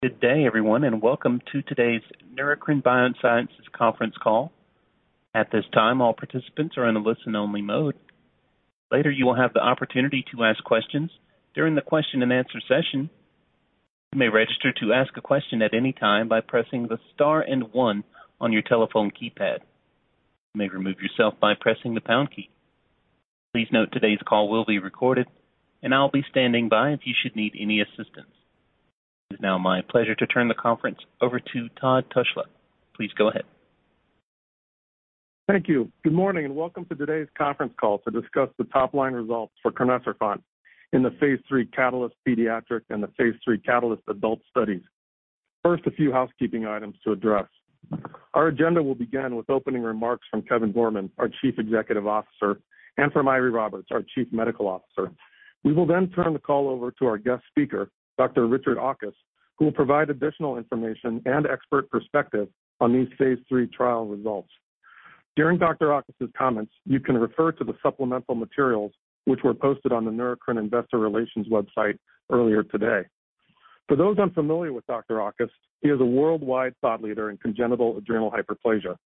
Good day, everyone, and welcome to today's Neurocrine Biosciences Conference Call. At this time, all participants are in a listen-only mode. Later, you will have the opportunity to ask questions during the question-and-answer session. You may register to ask a question at any time by pressing the star and one on your telephone keypad. You may remove yourself by pressing the pound key. Please note, today's call will be recorded, and I'll be standing by if you should need any assistance. It is now my pleasure to turn the conference over to Todd Tushla. Please go ahead. Thank you. Good morning, and welcome to today's conference call to discuss the top-line results for crinecerfont in the Phase 3 CAHtalyst pediatric and the Phase 3 CAHtalyst adult studies. First, a few housekeeping items to address. Our agenda will begin with opening remarks from Kevin Gorman, our Chief Executive Officer, and from Eiry Roberts, our Chief Medical Officer. We will then turn the call over to our guest speaker, Dr. Richard Auchus, who will provide additional information and expert perspective on these phase III trial results. During Dr. Auchus's comments, you can refer to the supplemental materials, which were posted on the Neurocrine Investor Relations website earlier today. For those unfamiliar with Dr. Auchus, he is a worldwide thought leader in congenital adrenal hyperplasia.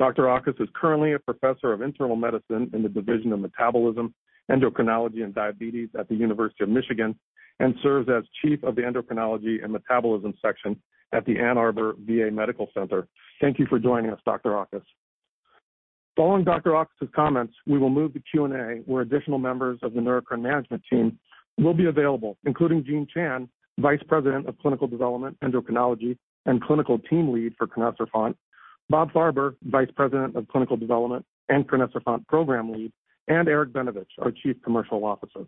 Dr. Auchus is currently a professor of Internal Medicine in the Division of Metabolism, Endocrinology, and Diabetes at the University of Michigan and serves as Chief of the Endocrinology and Metabolism section at the Ann Arbor VA Medical Center. Thank you for joining us, Dr. Auchus. Following Dr. Auchus's comments, we will move to Q&A, where additional members of the Neurocrine management team will be available, including Jean Chan, Vice President of Clinical Development, Endocrinology, and Clinical Team Lead for crinecerfont; Bob Farber, Vice President of Clinical Development and crinecerfont Program Lead; and Eric Benevich, our Chief Commercial Officer.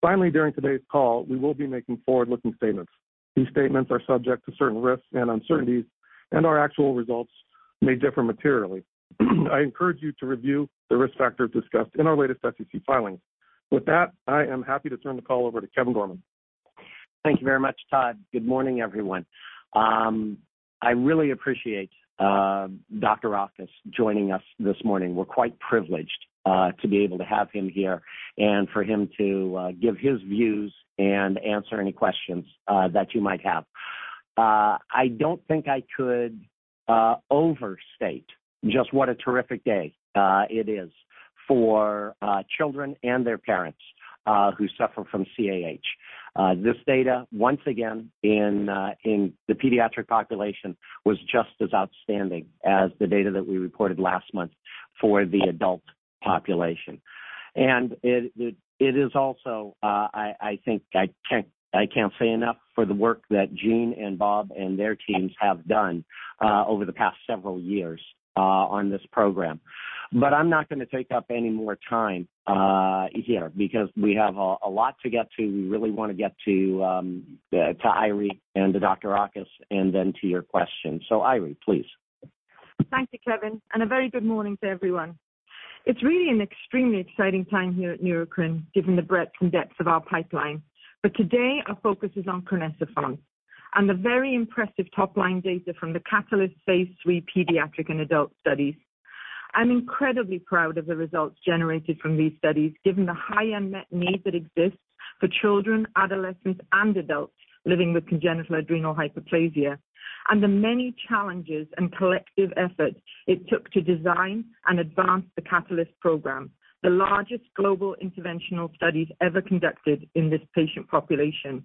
Finally, during today's call, we will be making forward-looking statements. These statements are subject to certain risks and uncertainties, and our actual results may differ materially. I encourage you to review the risk factors discussed in our latest SEC filings. With that, I am happy to turn the call over to Kevin Gorman. Thank you very much, Todd. Good morning, everyone. I really appreciate Dr. Auchus joining us this morning. We're quite privileged to be able to have him here and for him to give his views and answer any questions that you might have. I don't think I could overstate just what a terrific day it is for children and their parents who suffer from CAH. This data, once again, in the pediatric population, was just as outstanding as the data that we reported last month for the adult population. It is also, I think I can't say enough for the work that Jean and Bob and their teams have done over the past several years on this program. I'm not going to take up any more time here because we have a lot to get to. We really want to get to Eiry and to Dr. Auchus and then to your questions. Eiry, please. Thank you, Kevin, and a very good morning to everyone. It's really an extremely exciting time here at Neurocrine, given the breadth and depth of our pipeline. But today, our focus is on crinecerfont and the very impressive top-line data from the CAHtalyst Phase 3 pediatric and adult studies. I'm incredibly proud of the results generated from these studies, given the high unmet need that exists for children, adolescents, and adults living with congenital adrenal hyperplasia, and the many challenges and collective efforts it took to design and advance the CAHtalyst program, the largest global interventional studies ever conducted in this patient population.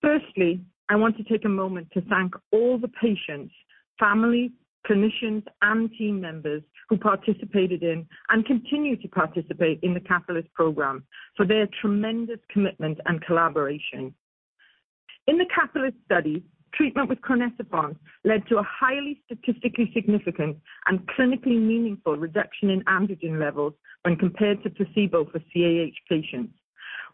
Firstly, I want to take a moment to thank all the patients, families, clinicians, and team members who participated in and continue to participate in the CAHtalyst program for their tremendous commitment and collaboration. In the CAHtalyst study, treatment with crinecerfont led to a highly statistically significant and clinically meaningful reduction in androgen levels when compared to placebo for CAH patients,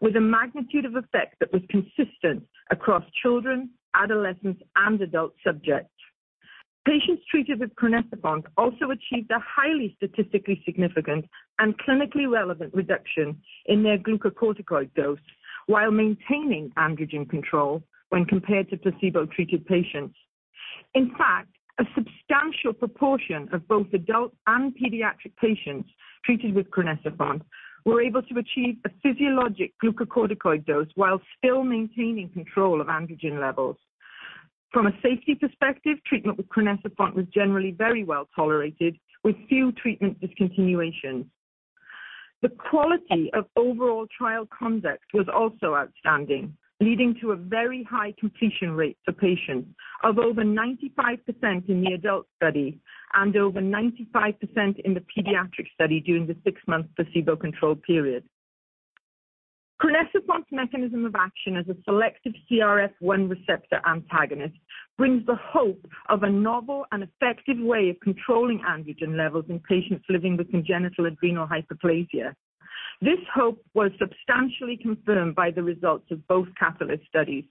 with a magnitude of effect that was consistent across children, adolescents, and adult subjects. Patients treated with crinecerfont also achieved a highly statistically significant and clinically relevant reduction in their glucocorticoid dose while maintaining androgen control when compared to placebo-treated patients. In fact, a substantial proportion of both adult and pediatric patients treated with crinecerfont were able to achieve a physiologic glucocorticoid dose while still maintaining control of androgen levels. From a safety perspective, treatment with crinecerfont was generally very well tolerated, with few treatment discontinuations. The quality of overall trial conduct was also outstanding, leading to a very high completion rate for patients of over 95% in the adult study and over 95% in the pediatric study during the six-month placebo-controlled period. crinecerfont's mechanism of action as a selective CRF1 receptor antagonist brings the hope of a novel and effective way of controlling androgen levels in patients living with congenital adrenal hyperplasia. This hope was substantially confirmed by the results of both CAHtalyst studies,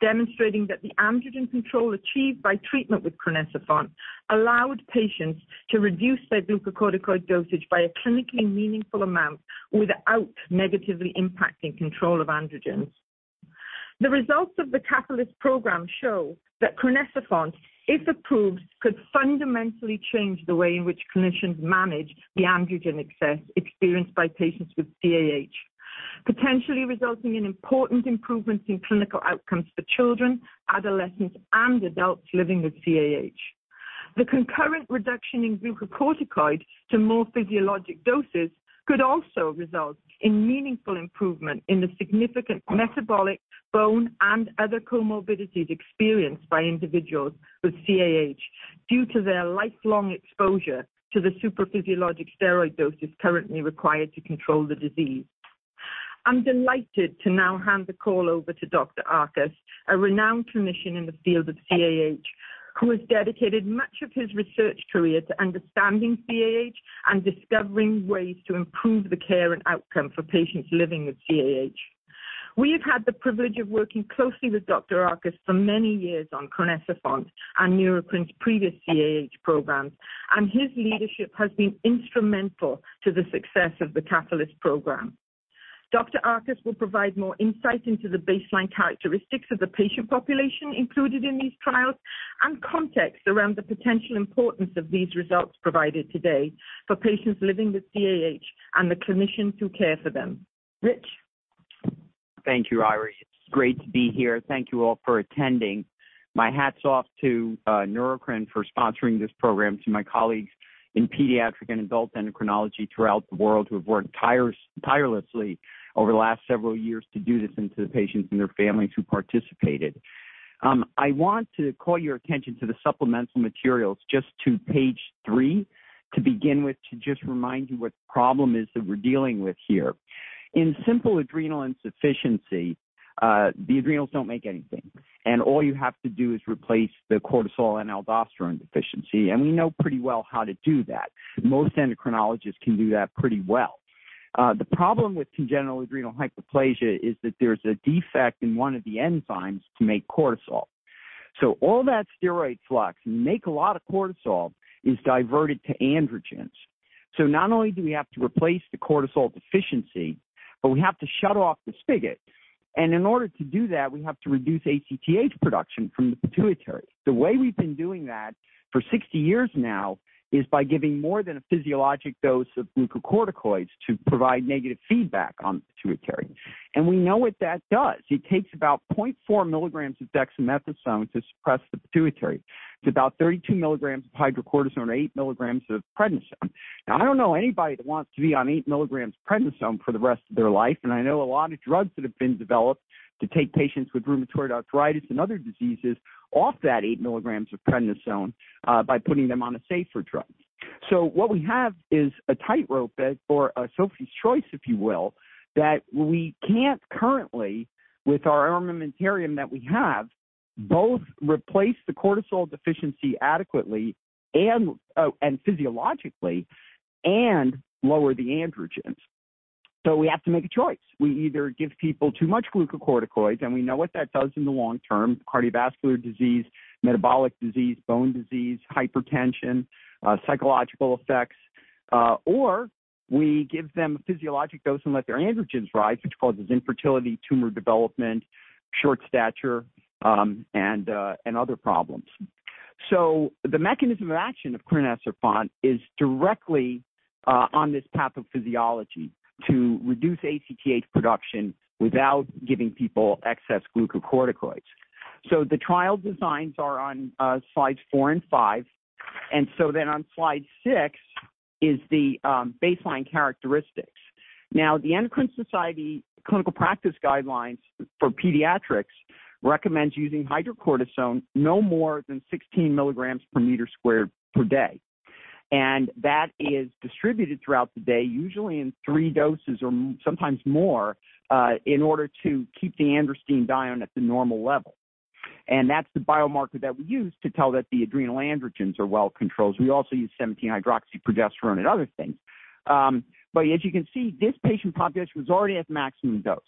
demonstrating that the androgen control achieved by treatment with crinecerfont allowed patients to reduce their glucocorticoid dosage by a clinically meaningful amount without negatively impacting control of androgens. The results of the CAHtalyst program show that crinecerfont, if approved, could fundamentally change the way in which clinicians manage the androgen excess experienced by patients with CAH. Potentially resulting in important improvements in clinical outcomes for children, adolescents, and adults living with CAH. The concurrent reduction in glucocorticoid to more physiologic doses could also result in meaningful improvement in the significant metabolic, bone, and other comorbidities experienced by individuals with CAH due to their lifelong exposure to the super physiologic steroid doses currently required to control the disease. I'm delighted to now hand the call over to Dr. Auchus, a renowned clinician in the field of CAH, who has dedicated much of his research career to understanding CAH and discovering ways to improve the care and outcome for patients living with CAH. We have had the privilege of working closely with Dr. Auchus for many years on crinecerfont and Neurocrine's previous CAH programs, and his leadership has been instrumental to the success of the CAHtalyst program. Dr. Auchus will provide more insight into the baseline characteristics of the patient population included in these trials, and context around the potential importance of these results provided today for patients living with CAH and the clinicians who care for them. Rich? Thank you, Eiry. It's great to be here. Thank you all for attending. My hats off to Neurocrine, for sponsoring this program, to my colleagues in pediatric and adult endocrinology throughout the world who have worked tirelessly over the last several years to do this, and to the patients and their families who participated. I want to call your attention to the supplemental materials, just to page three, to begin with, to just remind you what the problem is that we're dealing with here. In simple adrenal insufficiency, the adrenals don't make anything, and all you have to do is replace the cortisol and aldosterone deficiency, and we know pretty well how to do that. Most endocrinologists can do that pretty well. The problem with congenital adrenal hyperplasia is that there's a defect in one of the enzymes to make cortisol. So all that steroid flux, make a lot of cortisol, is diverted to androgens. So not only do we have to replace the cortisol deficiency, but we have to shut off the spigot. And in order to do that, we have to reduce ACTH production from the pituitary. The way we've been doing that for 60 years now is by giving more than a physiologic dose of glucocorticoids to provide negative feedback on the pituitary. And we know what that does. It takes about 0.4 milligrams of dexamethasone to suppress the pituitary, to about 32 milligrams of hydrocortisone or eight milligrams of prednisone. Now, I don't know anybody that wants to be on eight milligrams of prednisone for the rest of their life, and I know a lot of drugs that have been developed to take patients with rheumatoid arthritis and other diseases off that eight milligrams of prednisone by putting them on a safer drug. So what we have is a tightrope bed or a Sophie's choice, if you will, that we can't currently, with our armamentarium that we have, both replace the cortisol deficiency adequately and physiologically and lower the androgens. So we have to make a choice. We either give people too much glucocorticoids, and we know what that does in the long term, cardiovascular disease, metabolic disease, bone disease, hypertension, psychological effects, or we give them a physiologic dose and let their androgens rise, which causes infertility, tumor development, short stature, and other problems. So the mechanism of action of crinecerfont is directly on this pathophysiology to reduce ACTH production without giving people excess glucocorticoids. So the trial designs are on slides four and five, and so then on slide six is the baseline characteristics. Now, the Endocrine Society clinical practice guidelines for pediatrics recommends using hydrocortisone no more than 16 milligrams per meter squared per day. And that is distributed throughout the day, usually in three doses or sometimes more, in order to keep the androstenedione at the normal level. That's the biomarker that we use to tell that the adrenal androgens are well controlled. We also use 17-hydroxyprogesterone and other things. But as you can see, this patient population was already at the maximum dose,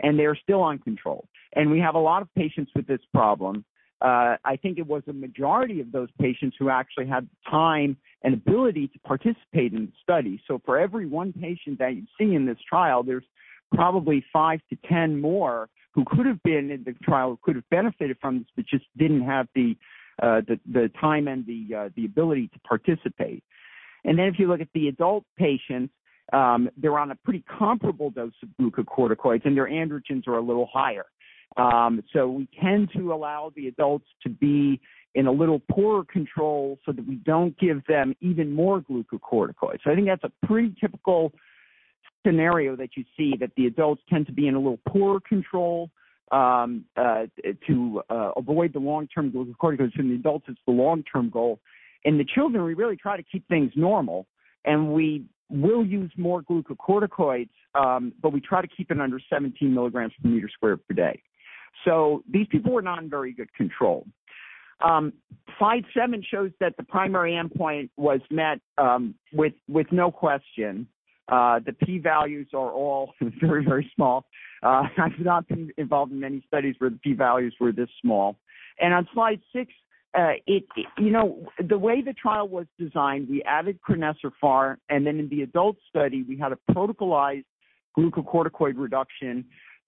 and they are still uncontrolled. We have a lot of patients with this problem. I think it was a majority of those patients who actually had the time and ability to participate in the study. For every one patient that you see in this trial, there's probably five-10 more who could have been in the trial, who could have benefited from this, but just didn't have the time and the ability to participate. If you look at the adult patients, they're on a pretty comparable dose of glucocorticoids, and their androgens are a little higher. So we tend to allow the adults to be in a little poorer control so that we don't give them even more glucocorticoids. So I think that's a pretty typical scenario that you see, that the adults tend to be in a little poorer control, to avoid the long-term glucocorticoids. In the adults, it's the long-term goal. In the children, we really try to keep things normal, and we will use more glucocorticoids, but we try to keep it under 17 milligrams per meter squared per day. So these people were not in very good control. Slide seven shows that the primary endpoint was met, with no question. The P values are all very, very small. I've not been involved in many studies where the P values were this small. On slide six, you know, the way the trial was designed, we added crinecerfont, and then in the adult study, we had a protocolized glucocorticoid reduction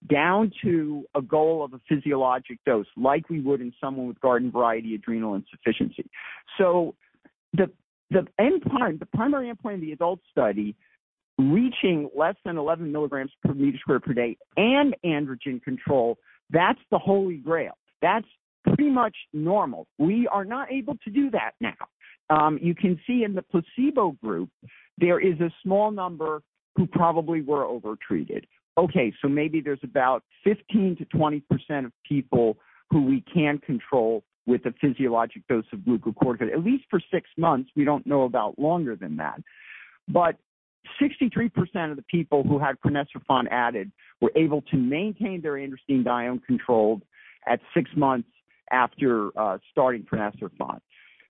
down to a goal of a physiologic dose, like we would in someone with garden variety adrenal insufficiency. The end part, the primary endpoint in the adult study, reaching less than 11 mg/m²/day and androgen control, that's the holy grail. That's pretty much normal. We are not able to do that now. You can see in the placebo group, there is a small number who probably were overtreated. Okay, so maybe there's about 15%-20% of people who we can control with a physiologic dose of glucocorticoid, at least for six months. We don't know about longer than that. 63% of the people who had crinecerfont added were able to maintain their androgen biomarker control at six months after starting crinecerfont.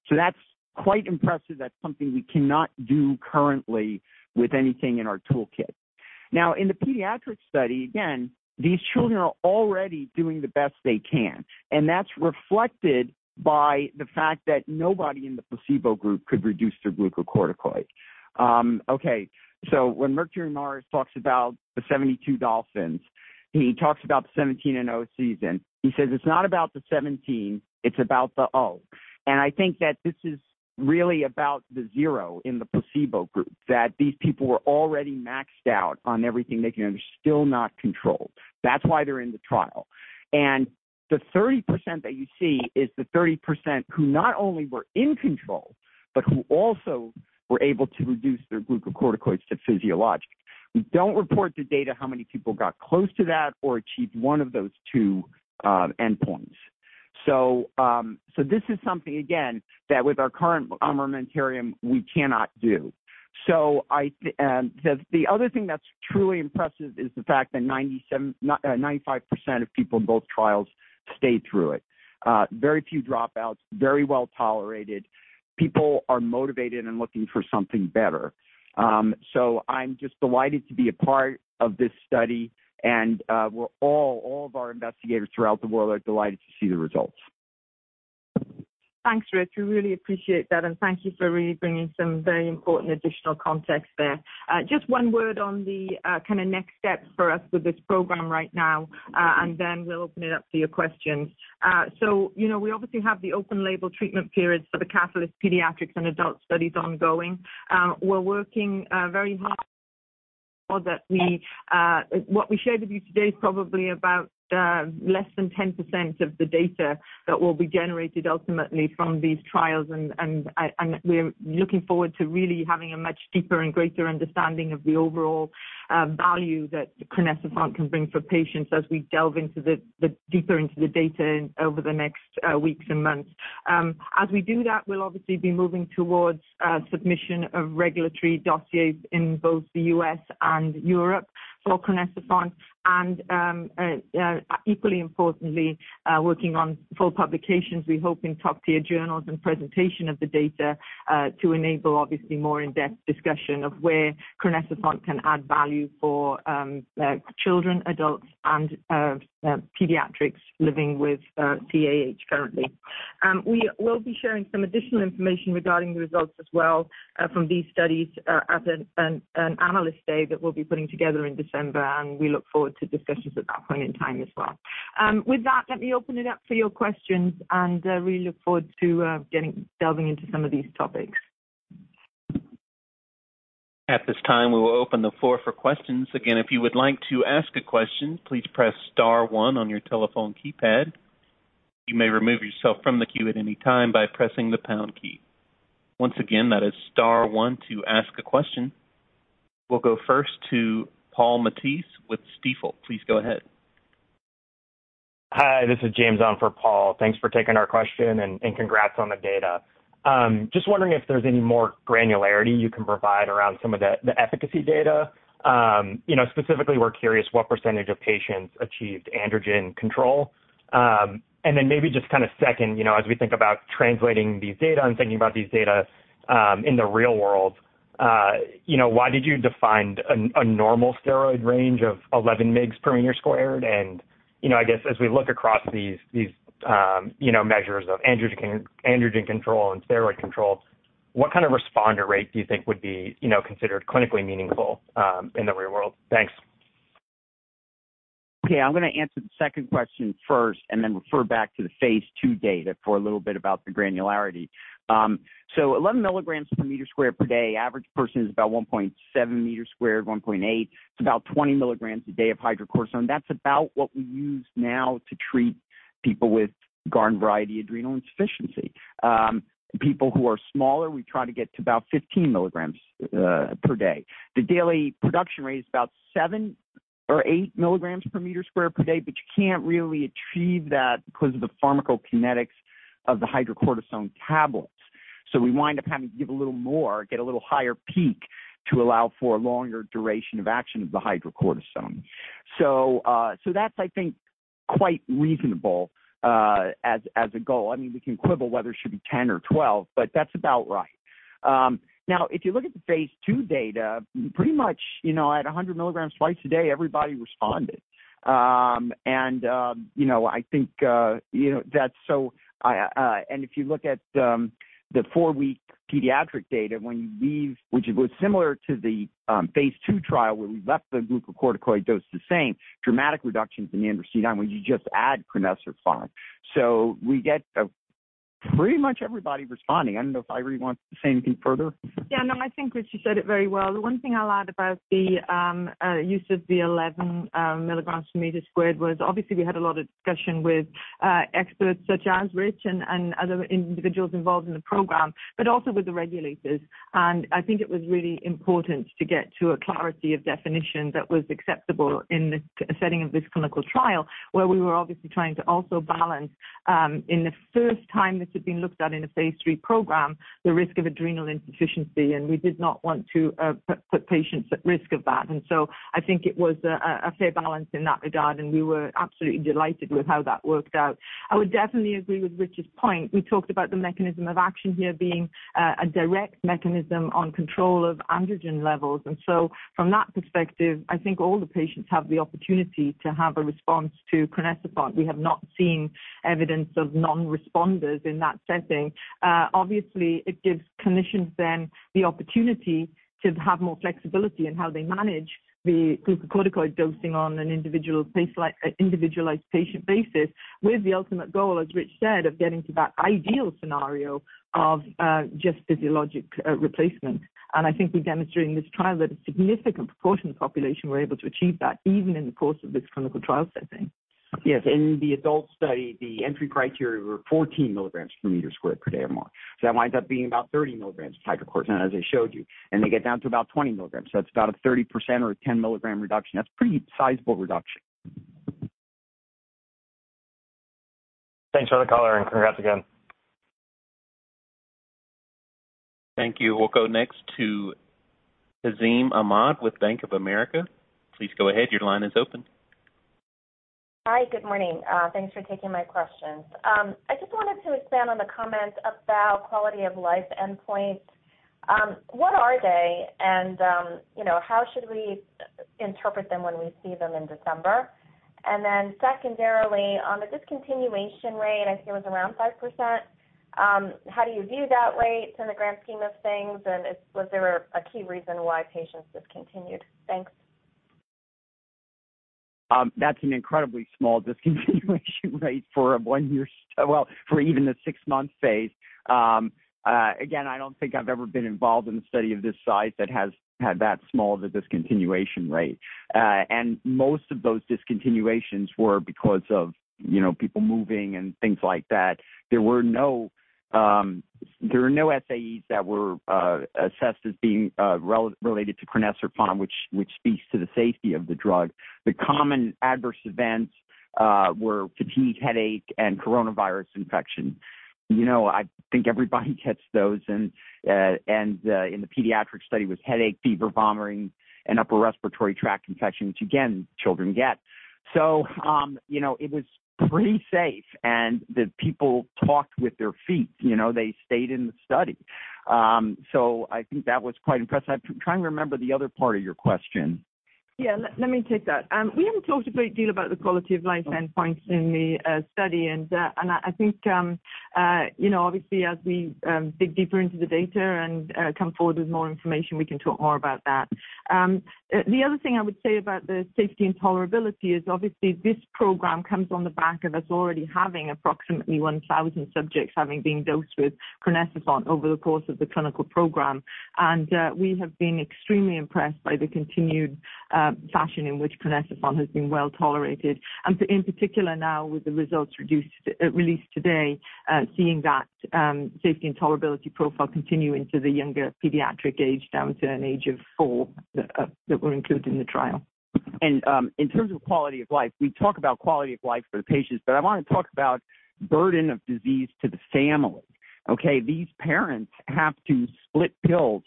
So that's quite impressive. That's something we cannot do currently with anything in our toolkit. Now, in the pediatric study, again, these children are already doing the best they can, and that's reflected by the fact that nobody in the placebo group could reduce their glucocorticoid. Okay, so when Mercury Morris talks about the 72 Dolphins, he talks about the 17-zero season. He says, "It's not about the 17, it's about the zero." And I think that this is really about the zero in the placebo group, that these people were already maxed out on everything they can and are still not controlled. That's why they're in the trial. The 30% that you see is the 30% who not only were in control, but who also were able to reduce their glucocorticoids to physiologic. We don't report the data, how many people got close to that or achieved one of those two endpoints. So this is something, again, that with our current armamentarium, we cannot do. So I, the other thing that's truly impressive is the fact that 97, 95% of people in both trials stayed through it. Very few dropouts, very well tolerated. People are motivated and looking for something better. So I'm just delighted to be a part of this study, and we're all, all of our investigators throughout the world are delighted to see the results. Thanks, Rich. We really appreciate that, and thank you for really bringing some very important additional context there. Just one word on the kind of next steps for us with this program right now, and then we'll open it up to your questions. So, you know, we obviously have the open label treatment periods for the CAHtalyst pediatrics and adult studies ongoing. We're working very hard so that we, what we shared with you today is probably about less than 10% of the data that will be generated ultimately from these trials. And we're looking forward to really having a much deeper and greater understanding of the overall value that crinecerfont can bring for patients as we delve into the deeper into the data over the next weeks and months. As we do that, we'll obviously be moving towards submission of regulatory dossiers in both the U.S. and Europe for crinecerfont. Equally importantly, working on full publications, we hope, in top-tier journals and presentation of the data to enable obviously more in-depth discussion of where crinecerfont can add value for children, adults, and pediatrics living with CAH currently. We will be sharing some additional information regarding the results as well from these studies at an analyst day that we'll be putting together in December, and we look forward to discussions at that point in time as well. With that, let me open it up for your questions, and we look forward to getting, delving into some of these topics. At this time, we will open the floor for questions. Again, if you would like to ask a question, please press star one on your telephone keypad. You may remove yourself from the queue at any time by pressing the pound key. Once again, that is star one to ask a question. We'll go first to Paul Matteis with Stifel. Please go ahead. Hi, this is James on for Paul. Thanks for taking our question, and congrats on the data. Just wondering if there's any more granularity you can provide around some of the efficacy data. You know, specifically, we're curious what percentage of patients achieved androgen control. And then maybe just kind of second, you know, as we think about translating these data and thinking about these data in the real world, you know, why did you define a normal steroid range of 11 mg per meter squared? And, you know, I guess as we look across these measures of androgen control and steroid control, what kind of responder rate do you think would be considered clinically meaningful in the real world? Thanks. Okay, I'm going to answer the second question first and then refer back to the phase II data for a little bit about the granularity. So 11 milligrams per square meter per day, average person is about 1.7 square meters, 1.8. It's about 20 milligrams a day of hydrocortisone. That's about what we use now to treat people with garden variety adrenal insufficiency. People who are smaller, we try to get to about 15 milligrams per day. The daily production rate is about seven or eight milligrams per square meter per day, but you can't really achieve that because of the pharmacokinetics of the hydrocortisone tablets. So we wind up having to give a little more, get a little higher peak, to allow for a longer duration of action of the hydrocortisone. That's, I think, quite reasonable as a goal. I mean, we can quibble whether it should be 10 or 12, but that's about right. Now, if you look at the phase II data, pretty much, you know, at 100 mg twice a day, everybody responded. You know, I think, you know, that's so... I, and if you look at the four-week pediatric data, which was similar to the phase II trial, where we left the glucocorticoid dose the same, dramatic reductions in the androgen nine, when you just add crinecerfont. So we get the... Pretty much everybody responding. I don't know if Irene wants to say anything further. Yeah, no, I think Rich, you said it very well. The one thing I'll add about the use of the 11 milligrams per meter squared was obviously we had a lot of discussion with experts such as Rich and other individuals involved in the program, but also with the regulators. I think it was really important to get to a clarity of definition that was acceptable in the setting of this clinical trial, where we were obviously trying to also balance, in the first time this had been looked at in a phase III program, the risk of adrenal insufficiency, and we did not want to put patients at risk of that. So I think it was a fair balance in that regard, and we were absolutely delighted with how that worked out. I would definitely agree with Rich's point. We talked about the mechanism of action here being a direct mechanism on control of androgen levels. And so from that perspective, I think all the patients have the opportunity to have a response to crinecerfont. We have not seen evidence of non-responders in that setting. Obviously, it gives clinicians then the opportunity to have more flexibility in how they manage the glucocorticoid dosing on an individual patient, individualized patient basis, with the ultimate goal, as Rich said, of getting to that ideal scenario of just physiologic replacement. And I think we demonstrated in this trial that a significant proportion of the population were able to achieve that, even in the course of this clinical trial setting. Yes, in the adult study, the entry criteria were 14 mg/m²/day or more. So that winds up being about 30 mg of hydrocortisone, as I showed you, and they get down to about 20 mg. So that's about a 30% or a 10 mg reduction. That's pretty sizable reduction. Thanks for the color and congrats again. Thank you. We'll go next to Tazeen Ahmad with Bank of America. Please go ahead. Your line is open. Hi, good morning. Thanks for taking my questions. I just wanted to expand on the comment about quality of life endpoint. What are they? And, you know, how should we interpret them when we see them in December? And then secondarily, on the discontinuation rate, I think it was around 5%. How do you view that rate in the grand scheme of things? And is, was there a key reason why patients discontinued? Thanks. That's an incredibly small discontinuation rate for a one-year—well, for even the six-month phase. Again, I don't think I've ever been involved in a study of this size that has had that small of a discontinuation rate. And most of those discontinuations were because of, you know, people moving and things like that. There were no SAEs that were assessed as being related to crinecerfont, which speaks to the safety of the drug. The common adverse events were fatigue, headache, and coronavirus infection. You know, I think everybody gets those. And in the pediatric study, was headache, fever, vomiting, and upper respiratory tract infection, which again, children get. So, you know, it was pretty safe and the people talked with their feet, you know, they stayed in the study. So I think that was quite impressive. I'm trying to remember the other part of your question. Yeah, let me take that. We haven't talked a great deal about the quality of life endpoints in the study. And I think, you know, obviously as we dig deeper into the data and come forward with more information, we can talk more about that. The other thing I would say about the safety and tolerability is obviously this program comes on the back of us already having approximately 1,000 subjects having been dosed with crinecerfont over the course of the clinical program. And we have been extremely impressed by the continued fashion in which crinecerfont has been well tolerated. In particular now with the results released today, seeing that safety and tolerability profile continue into the younger pediatric age, down to an age of four, that were included in the trial. In terms of quality of life, we talk about quality of life for the patients, but I want to talk about burden of disease to the family. Okay? These parents have to split pills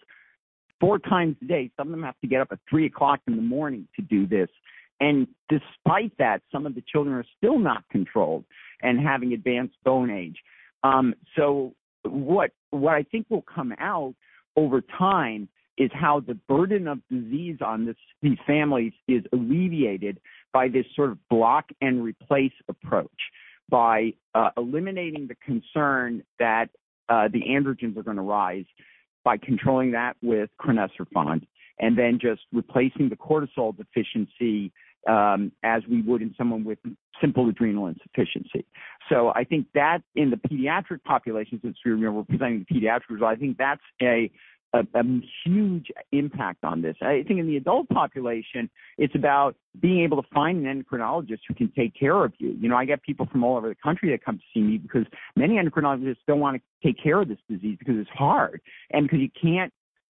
four times a day. Some of them have to get up at 3:00 A.M. to do this. Despite that, some of the children are still not controlled and having advanced bone age. What I think will come out over time is how the burden of disease on these families is alleviated by this sort of block and replace approach. By eliminating the concern that the androgens are going to rise by controlling that with crinecerfont, and then just replacing the cortisol deficiency, as we would in someone with simple adrenal insufficiency. So I think that in the pediatric population, since we remember we're presenting the pediatric results, I think that's a huge impact on this. I think in the adult population, it's about being able to find an endocrinologist who can take care of you. You know, I get people from all over the country that come to see me because many endocrinologists don't want to take care of this disease because it's hard and because you can't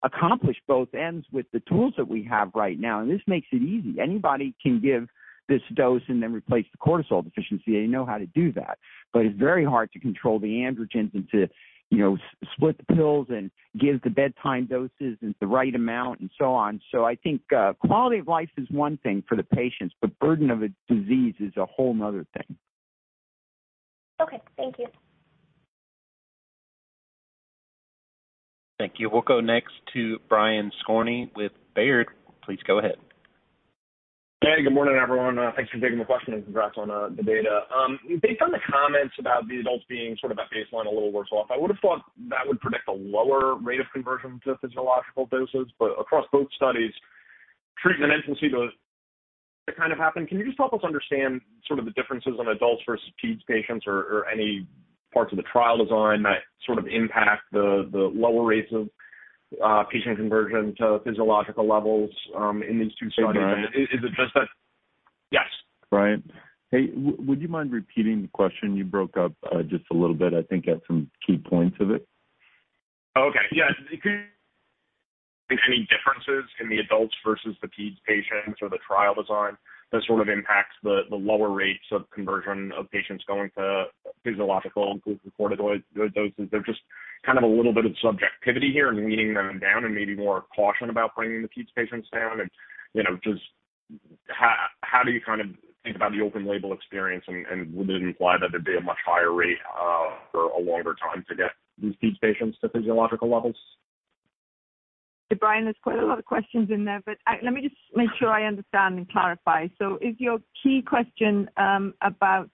accomplish both ends with the tools that we have right now. And this makes it easy. Anybody can give this dose and then replace the cortisol deficiency. They know how to do that, but it's very hard to control the androgens and to, you know, split the pills and give the bedtime doses and the right amount and so on. I think quality of life is one thing for the patients, but burden of a disease is a whole another thing. Okay. Thank you. Thank you. We'll go next to Brian Skorney with Baird. Please go ahead. Hey, good morning, everyone. Thanks for taking the question and congrats on the data. Based on the comments about the adults being sort of at baseline, a little worse off, I would have thought that would predict a lower rate of conversion to physiological doses. Across both studies, treatment infancy to-... to kind of happen. Can you just help us understand sort of the differences in adults versus peds patients or any parts of the trial design that sort of impact the lower rates of patient conversion to physiological levels in these two studies? Hey, Brian. Is it just that? Yes. Brian. Hey, would you mind repeating the question? You broke up, just a little bit, I think, at some key points of it. Okay. Yeah. If any differences in the adults versus the peds patients or the trial design that sort of impacts the lower rates of conversion of patients going to physiological glucocorticoid doses. There's just kind of a little bit of subjectivity here in weaning them down and maybe more caution about bringing the peds patients down. And, you know, just how do you kind of think about the open label experience? And would it imply that there'd be a much higher rate for a longer time to get these peds patients to physiological levels? Hey, Brian, there's quite a lot of questions in there, but, let me just make sure I understand and clarify. So is your key question about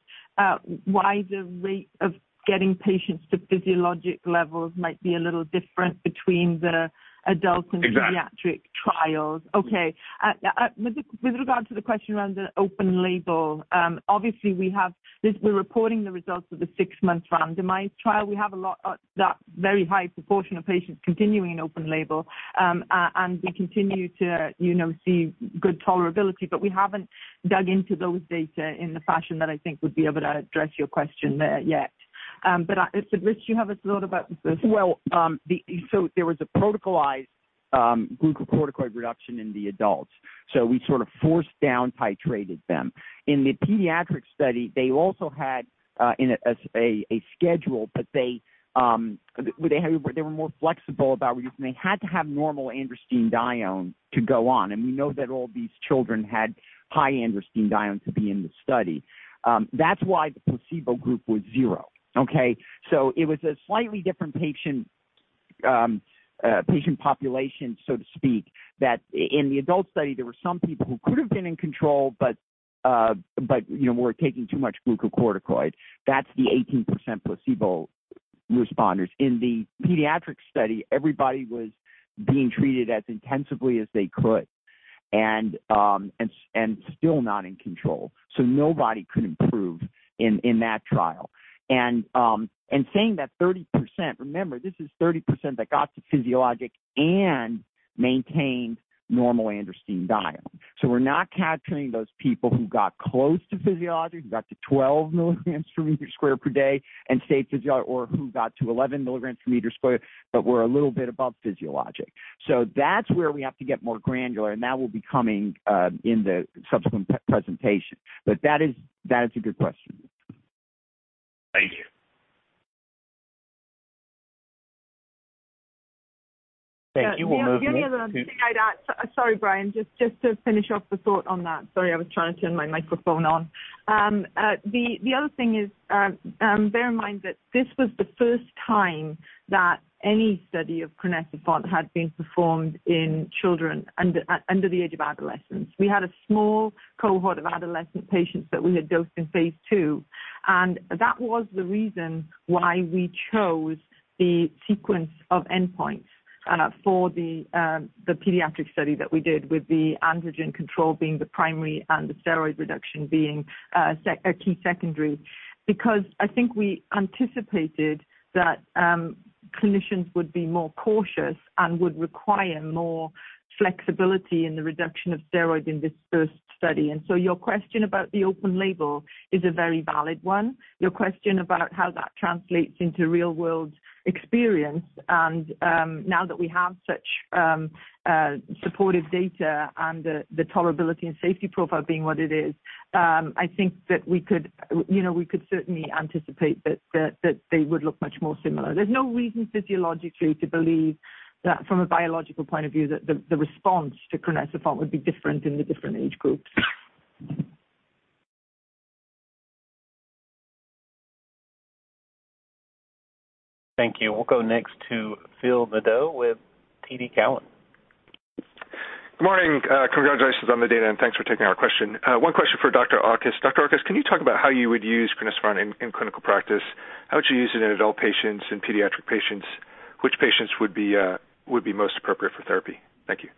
why the rate of getting patients to physiologic levels might be a little different between the adult. Exactly. And pediatric trials? Okay, with regard to the question around the open label, obviously, we have this—we're reporting the results of the six-month randomized trial. We have a lot, that very high proportion of patients continuing in open label, and we continue to, you know, see good tolerability. But we haven't dug into those data in the fashion that I think would be able to address your question there yet. But, so Rich, do you have a thought about this? Well, so there was a protocolized glucocorticoid reduction in the adults. So we sort of force down titrated them. In the pediatric study, they also had a schedule, but they were more flexible about reducing. They had to have normal androstenedione to go on, and we know that all these children had high androstenedione to be in the study. That's why the placebo group was zero, okay? So it was a slightly different patient population, so to speak, that in the adult study, there were some people who could have been in control, but you know, were taking too much glucocorticoid. That's the 18% placebo responders. In the pediatric study, everybody was being treated as intensively as they could and still not in control, so nobody could improve in that trial. And saying that 30%, remember, this is 30% that got to physiologic and maintained normal androstenedione. So we're not capturing those people who got close to physiologic, who got to 12 mg/m²/day and stayed physiologic, or who got to 11 mg/m², but were a little bit above physiologic. So that's where we have to get more granular, and that will be coming in the subsequent presentation. But that is a good question. Thank you. Thank you. We'll move next to. The only other thing I'd add... Sorry, Brian. Just to finish off the thought on that. Sorry, I was trying to turn my microphone on. The other thing is, bear in mind that this was the first time that any study of crinecerfont had been performed in children under the age of adolescence. We had a small cohort of adolescent patients that we had dosed in phase two, and that was the reason why we chose the sequence of endpoints for the pediatric study that we did, with the androgen control being the primary and the steroid reduction being a key secondary. Because I think we anticipated that clinicians would be more cautious and would require more flexibility in the reduction of steroids in this first study. And so your question about the open label is a very valid one. Your question about how that translates into real-world experience, and, now that we have such supportive data and the tolerability and safety profile being what it is, I think that we could, you know, we could certainly anticipate that they would look much more similar. There's no reason physiologically to believe that from a biological point of view, that the response to crinecerfont would be different in the different age groups. Thank you. We'll go next to Phil Nadeau with TD Cowen. Good morning. Congratulations on the data, and thanks for taking our question. One question for Dr. Auchus ,Dr. Auchus, can you talk about how you would use crinecerfont in clinical practice? How would you use it in adult patients and pediatric patients? Which patients would be most appropriate for therapy? Thank you.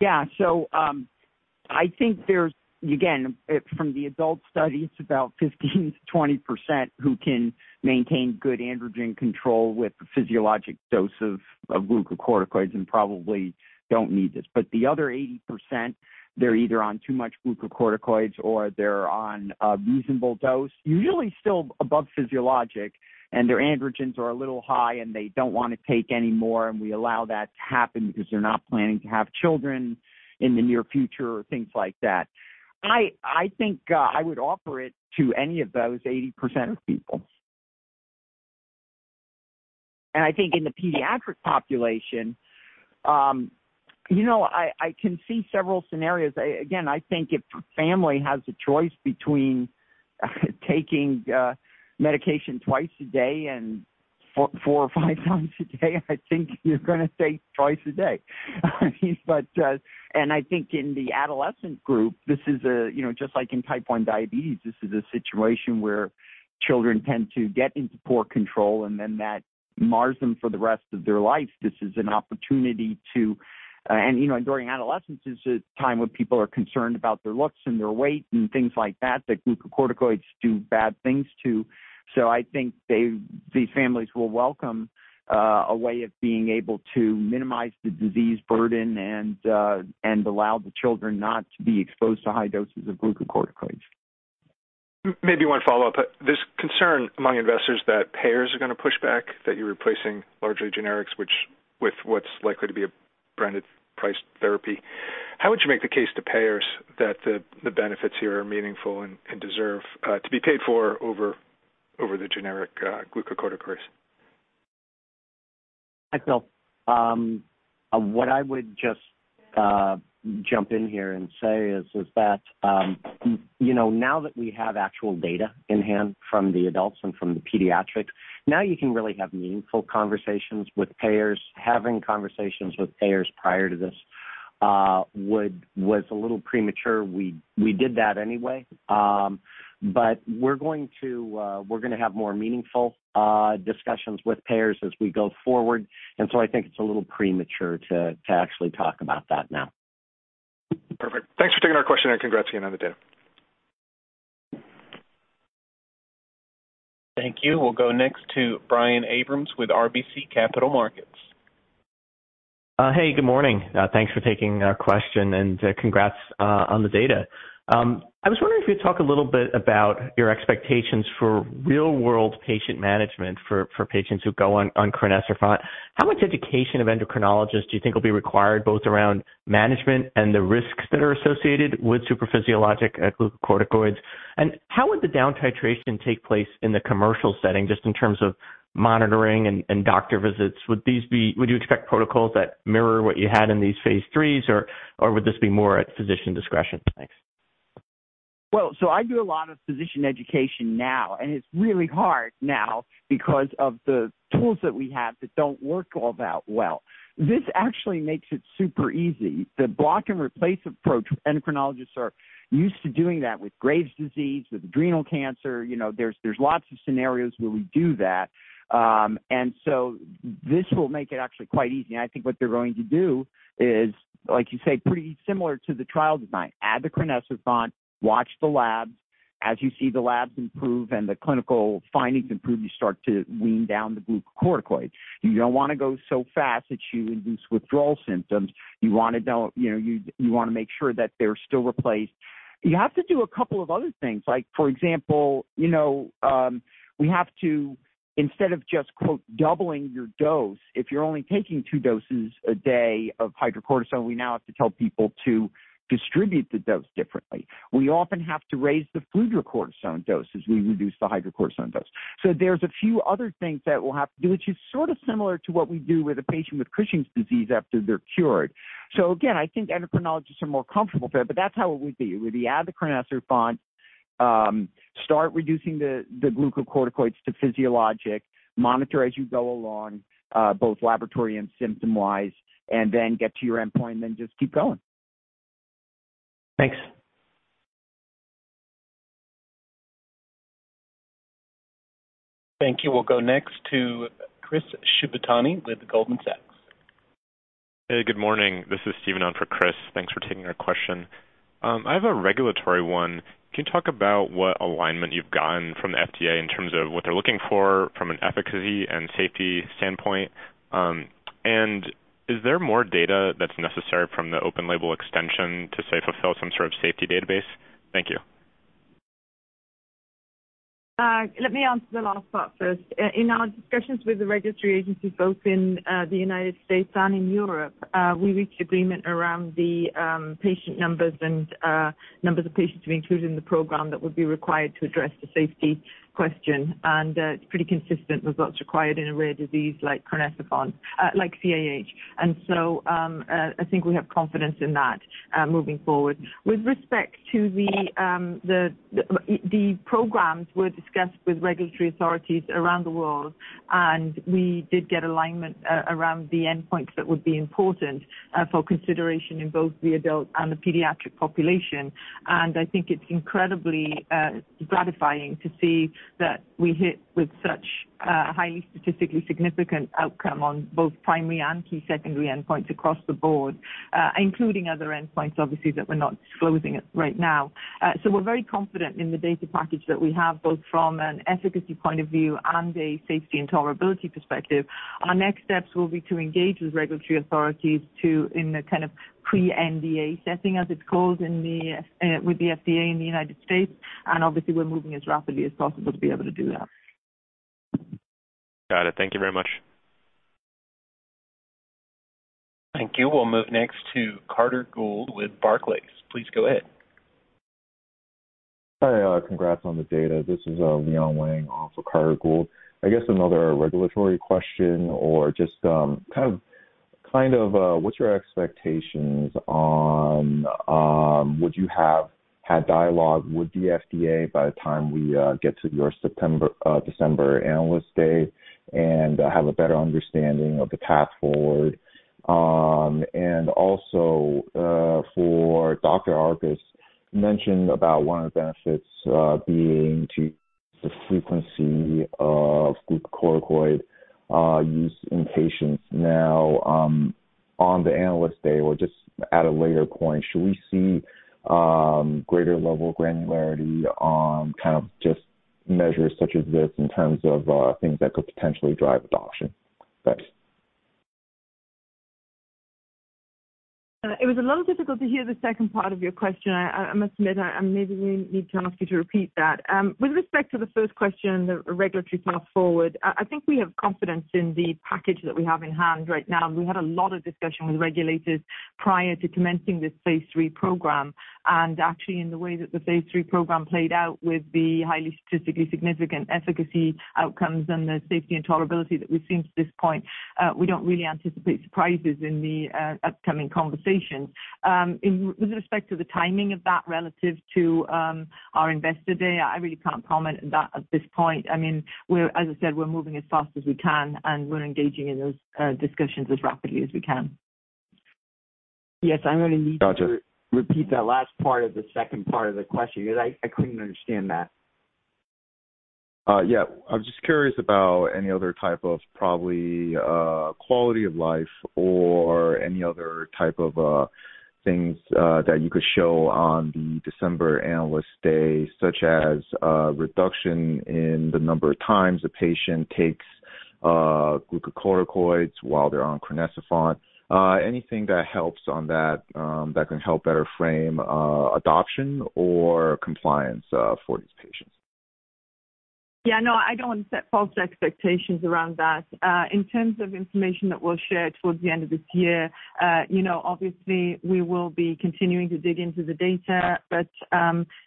Yeah. So, I think there's, again, from the adult studies, about 15%-20% who can maintain good androgen control with physiologic dose of glucocorticoids and probably don't need this. But the other 80%, they're either on too much glucocorticoids or they're on a reasonable dose, usually still above physiologic, and their androgens are a little high, and they don't want to take any more. And we allow that to happen because they're not planning to have children in the near future or things like that. I think I would offer it to any of those 80% of people. And I think in the pediatric population, you know, I can see several scenarios. Again, I think if a family has a choice between taking medication twice a day and four or five times a day, I think you're gonna say twice a day. And I think in the adolescent group, this is, you know, just like in type 1 diabetes, this is a situation where children tend to get into poor control, and then that mars them for the rest of their life. This is an opportunity to and, you know, during adolescence is a time when people are concerned about their looks and their weight and things like that, that glucocorticoids do bad things, too. So I think they, these families will welcome a way of being able to minimize the disease burden and and allow the children not to be exposed to high doses of glucocorticoids. Maybe one follow-up. There's concern among investors that payers are going to push back, that you're replacing largely generics, which, with what's likely to be a branded price therapy. How would you make the case to payers that the benefits here are meaningful and deserve to be paid for over the generic glucocorticoids? Hi, Phil. What I would just jump in here and say is that you know, now that we have actual data in hand from the adults and from the pediatrics, now you can really have meaningful conversations with payers. Having conversations with payers prior to this would - was a little premature. We did that anyway. But we're going to, we're gonna have more meaningful discussions with payers as we go forward, and so I think it's a little premature to actually talk about that now. Perfect. Thanks for taking our question, and congrats again on the data. Thank you. We'll go next to Brian Abrahams with RBC Capital Markets. Hey, good morning. Thanks for taking our question, and congrats on the data. I was wondering if you'd talk a little bit about your expectations for real-world patient management for, for patients who go on, on crinecerfont. How much education of endocrinologists do you think will be required, both around management and the risks that are associated with super physiologic glucocorticoids? How would the down titration take place in the commercial setting, just in terms of monitoring and doctor visits? Would these be-- Would you expect protocols that mirror what you had in these phase III, or would this be more at physician discretion? Thanks. Well, I do a lot of physician education now, and it's really hard now because of the tools that we have that don't work all that well. This actually makes it super easy. The block and replace approach, endocrinologists are used to doing that with Graves' disease, with adrenal cancer, you know, there's lots of scenarios where we do that. This will make it actually quite easy. I think what they're going to do is, like you say, pretty similar to the trial design. Add the crinecerfont, watch the labs. As you see the labs improve and the clinical findings improve, you start to wean down the glucocorticoids. You don't want to go so fast that you induce withdrawal symptoms. You want to know, you know, you want to make sure that they're still replaced. You have to do a couple of other things, like, for example, you know, we have to instead of just, quote, "doubling your dose," if you're only taking two doses a day of hydrocortisone, we now have to tell people to distribute the dose differently. We often have to raise the fludrocortisone dose as we reduce the hydrocortisone dose. So there's a few other things that we'll have to do, which is sort of similar to what we do with a patient with Cushing's disease after they're cured. So again, I think endocrinologists are more comfortable with it, but that's how it would be. We add the crinecerfont, start reducing the glucocorticoids to physiologic, monitor as you go along, both laboratory and symptom-wise, and then get to your endpoint, and then just keep going. Thanks. Thank you. We'll go next to Chris Shibutani with Goldman Sachs. Hey, good morning. This is Stephen on for Chris. Thanks for taking our question. I have a regulatory one. Can you talk about what alignment you've gotten from the FDA in terms of what they're looking for from an efficacy and safety standpoint? And is there more data that's necessary from the open label extension to, say, fulfill some sort of safety database? Thank you. Let me answer the last part first. In our discussions with the regulatory agencies, both in the United States and in Europe, we reached agreement around the patient numbers and numbers of patients to be included in the program that would be required to address the safety question. It's pretty consistent with what's required in a rare disease like CAH. I think we have confidence in that moving forward. With respect to the programs, we discussed with regulatory authorities around the world, and we did get alignment around the endpoints that would be important for consideration in both the adult and the pediatric population. I think it's incredibly, gratifying to see that we hit with such, highly statistically significant outcome on both primary and key secondary endpoints across the board, including other endpoints, obviously, that we're not disclosing it right now. We're very confident in the data package that we have, both from an efficacy point of view and a safety and tolerability perspective. Our next steps will be to engage with regulatory authorities to, in a kind of pre-NDA setting, as it's called in the, with the FDA in the United States, and obviously, we're moving as rapidly as possible to be able to do that. Got it. Thank you very much. Thank you. We'll move next to Carter Gould with Barclays. Please go ahead. Hi, congrats on the data. This is Leon Wang for Carter Gould. I guess another regulatory question or just kind of kind of what's your expectations on would you have had dialogue with the FDA by the time we get to your September December Analyst Day and have a better understanding of the path forward? And also for Dr. Auchus. Mentioned about one of the benefits, being to the frequency of glucocorticoid use in patients. Now, on the Analyst Day or just at a later point, should we see greater level of granularity on kind of just measures such as this in terms of things that could potentially drive adoption? Thanks. It was a little difficult to hear the second part of your question. I must admit, I maybe need to ask you to repeat that. With respect to the first question, the regulatory path forward, I think we have confidence in the package that we have in hand right now. We had a lot of discussion with regulators prior to commencing this phase III program. And actually, in the way that the phase III program played out with the highly statistically significant efficacy outcomes and the safety and tolerability that we've seen to this point, we don't really anticipate surprises in the upcoming conversation. In with respect to the timing of that relative to our Investor Day, I really can't comment on that at this point. I mean, we're as I said, we're moving as fast as we can, and we're engaging in those discussions as rapidly as we can. Yes, I'm going to need to. Got you. Repeat that last part of the second part of the question because I, I couldn't understand that. Yeah. I was just curious about any other type of quality of life or any other type of things that you could show on the December Analyst Day, such as reduction in the number of times a patient takes glucocorticoids while they're on crinecerfont. Anything that helps on that that can help better frame adoption or compliance for these patients? Yeah, no, I don't want to set false expectations around that. In terms of information that we'll share towards the end of this year, you know, obviously, we will be continuing to dig into the data, but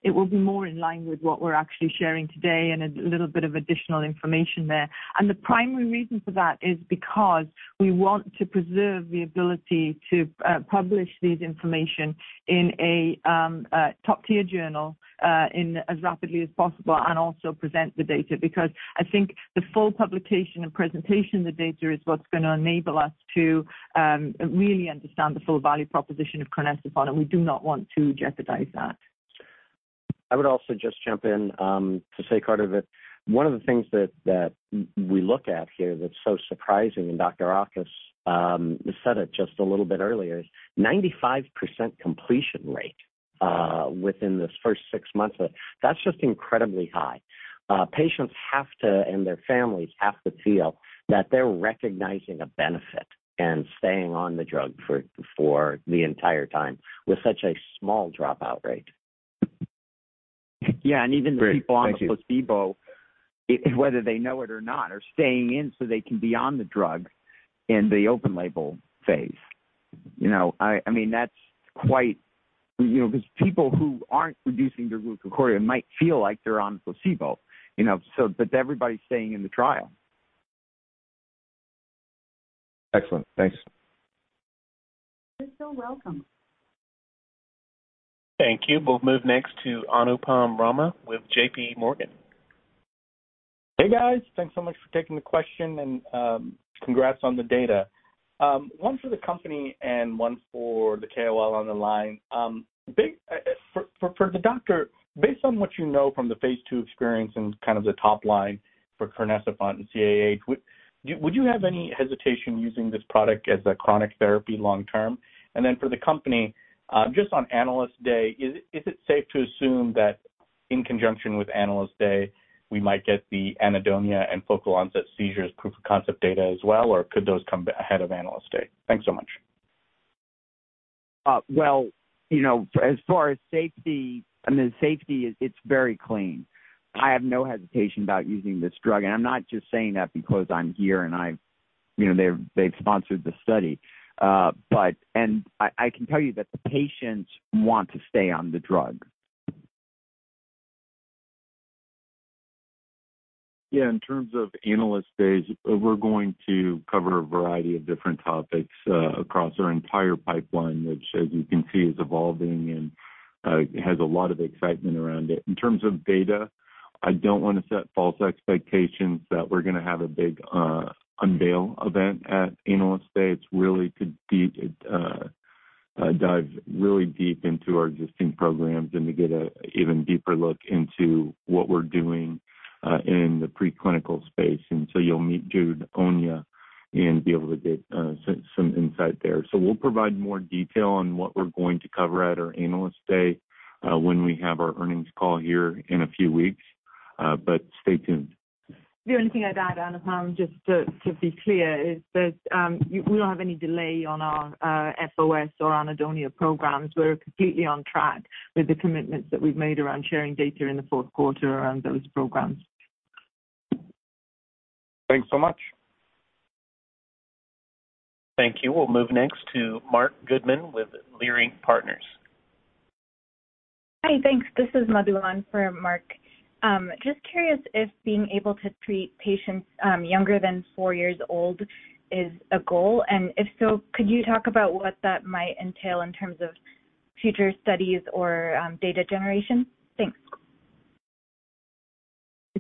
it will be more in line with what we're actually sharing today and a little bit of additional information there. And the primary reason for that is because we want to preserve the ability to publish this information in a top-tier journal in as rapidly as possible and also present the data. Because I think the full publication and presentation of the data is what's going to enable us to really understand the full value proposition of crinecerfont, and we do not want to jeopardize that. I would also just jump in, to say, Carter, that one of the things that, that we look at here that's so surprising, and Dr. Auchus said it just a little bit earlier, is 95% completion rate within this first six months. That's just incredibly high. Patients have to, and their families have to feel that they're recognizing a benefit and staying on the drug for, for the entire time with such a small dropout rate. Yeah, and even the people. Great. Thank you. On the placebo, whether they know it or not, are staying in so they can be on the drug in the open label phase. You know, I mean, that's quite... You know, because people who aren't reducing their glucocorticoid might feel like they're on a placebo, you know, so, but everybody's staying in the trial. Excellent. Thanks. You're so welcome. Thank you. We'll move next to Anupam Rama with J.P. Morgan. Hey, guys. Thanks so much for taking the question, and congrats on the data. One for the company and one for the KOL on the line. For the doctor, based on what you know from the phase II experience and kind of the top line for crinecerfont and CAH, would you have any hesitation using this product as a chronic therapy long term? And then for the company, just on Analyst Day, is it safe to assume that in conjunction with Analyst Day, we might get the anhedonia and focal onset seizures proof of concept data as well, or could those come ahead of Analyst Day? Thanks so much. Well, you know, as far as safety, I mean, safety, it's very clean. I have no hesitation about using this drug, and I'm not just saying that because I'm here and I've... You know, they've sponsored the study. But I can tell you that the patients want to stay on the drug. Yeah, in terms of Analyst Days, we're going to cover a variety of different topics across our entire pipeline, which, as you can see, is evolving and has a lot of excitement around it. In terms of data, I don't want to set false expectations that we're gonna have a big unveil event at Analyst Day. It's really to deep dive really deep into our existing programs and to get a even deeper look into what we're doing in the preclinical space. And so you'll meet Jude Onyia and be able to get some insight there. So we'll provide more detail on what we're going to cover at our Analyst Day when we have our earnings call here in a few weeks, but stay tuned. The only thing I'd add, Anupam, just to be clear, is that we don't have any delay on our FOS or anhedonia programs. We're completely on track with the commitments that we've made around sharing data in the fourth quarter around those programs. Thanks so much. Thank you. We'll move next to Mark Goodman with Leerink Partners. Hi, thanks. This is Madhu for Mark. Just curious if being able to treat patients younger than four years old is a goal, and if so, could you talk about what that might entail in terms of future studies or data generation? Thanks.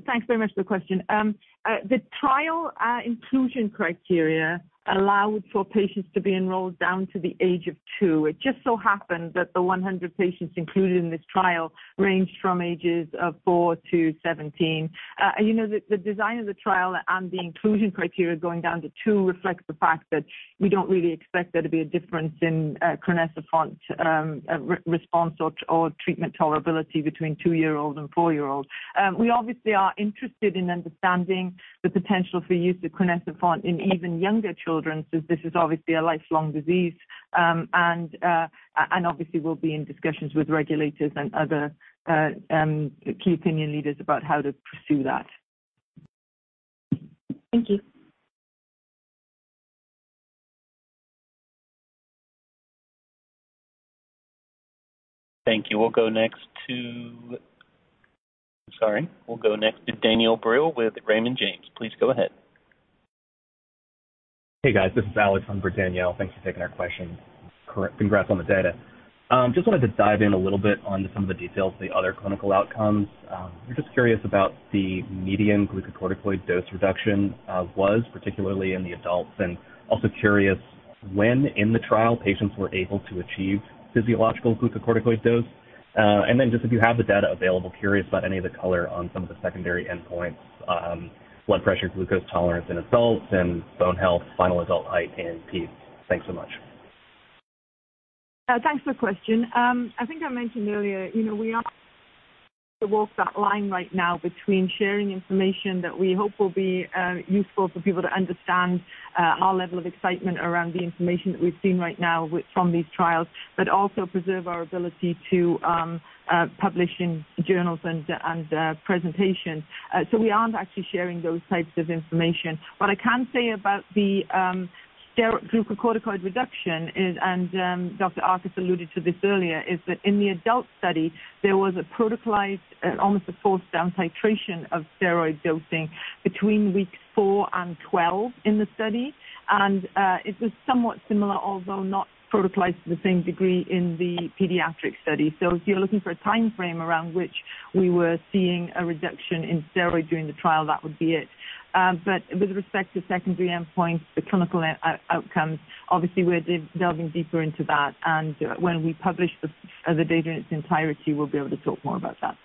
Thanks very much for the question. The trial inclusion criteria allowed for patients to be enrolled down to the age of two. It just so happened that the 100 patients included in this trial ranged from ages four to 17. You know, the design of the trial and the inclusion criteria going down to two reflects the fact that we don't really expect there to be a difference in crinecerfont response or treatment tolerability between two-year-olds and four-year-olds. We obviously are interested in understanding the potential for use of crinecerfont in even younger children, since this is obviously a lifelong disease. Obviously we'll be in discussions with regulators and other key opinion leaders about how to pursue that. Thank you. Thank you. We'll go next to... Sorry. We'll go next to Danielle Brill with Raymond James. Please go ahead. Hey, guys. This is Alex in for Danielle. Thanks for taking our question. Congrats on the data. Just wanted to dive in a little bit on some of the details of the other clinical outcomes. We're just curious about the median glucocorticoid dose reduction, particularly in the adults, and also curious when in the trial patients were able to achieve physiological glucocorticoid dose. And then, just if you have the data available, curious about any of the color on some of the secondary endpoints, blood pressure, glucose tolerance in adults, and bone health, final adult height and peak. Thanks so much. Thanks for the question. I think I mentioned earlier, you know, we are to walk that line right now between sharing information that we hope will be useful for people to understand our level of excitement around the information that we've seen right now from these trials, but also preserve our ability to publish in journals and presentations. So we aren't actually sharing those types of information. What I can say about the steroid glucocorticoid reduction is, and Dr. Auchus alluded to this earlier, is that in the adult study, there was a protocolized almost a forced down titration of steroid dosing between weeks four and 12 in the study. It was somewhat similar, although not protocolized to the same degree in the pediatric study. So if you're looking for a timeframe around which we were seeing a reduction in steroids during the trial, that would be it. But with respect to secondary endpoints, the clinical outcomes, obviously, we're delving deeper into that, and when we publish the data in its entirety, we'll be able to talk more about that.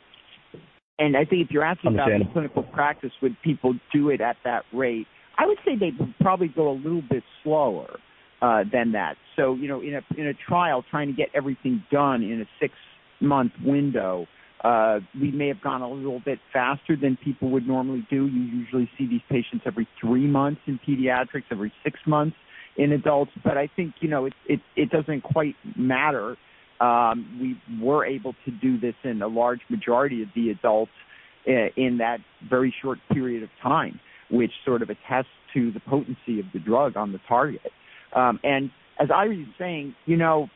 I think if you're asking about the clinical practice, would people do it at that rate? I would say they probably go a little bit slower than that. So, you know, in a trial, trying to get everything done in a six-month window, we may have gone a little bit faster than people would normally do. You usually see these patients every three months in pediatrics, every six months in adults. But I think, you know, it doesn't quite matter. We were able to do this in a large majority of the adults, in that very short period of time, which sort of attests to the potency of the drug on the target. And as Eiry was saying, you know,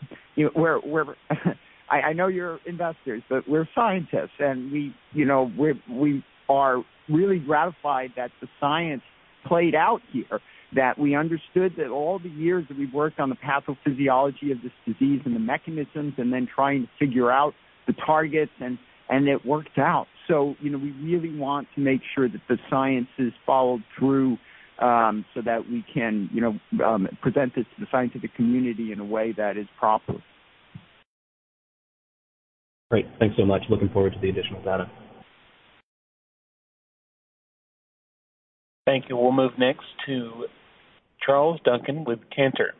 we're, I know you're investors, but we're scientists, and we, you know, we are really gratified that the science played out here. That we understood that all the years that we've worked on the pathophysiology of this disease and the mechanisms, and then trying to figure out the targets, and it worked out. So, you know, we really want to make sure that the science is followed through, so that we can, you know, present this to the scientific community in a way that is proper. Great. Thanks so much. Looking forward to the additional data. Thank you. We'll move next to Charles Duncan with Cantor.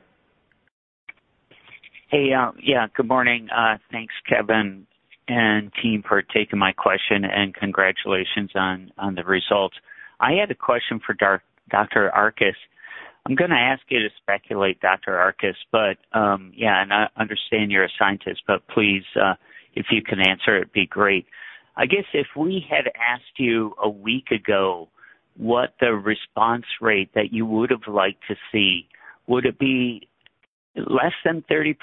Hey, yeah, good morning. Thanks, Kevin and team, for taking my question, and congratulations on the results. I had a question for Dr. Auchus. I'm going to ask you to speculate, Dr. Auchus, but, yeah, and I understand you're a scientist, but please, if you can answer, it'd be great. I guess if we had asked you a week ago what the response rate that you would have liked to see, would it be less than 30%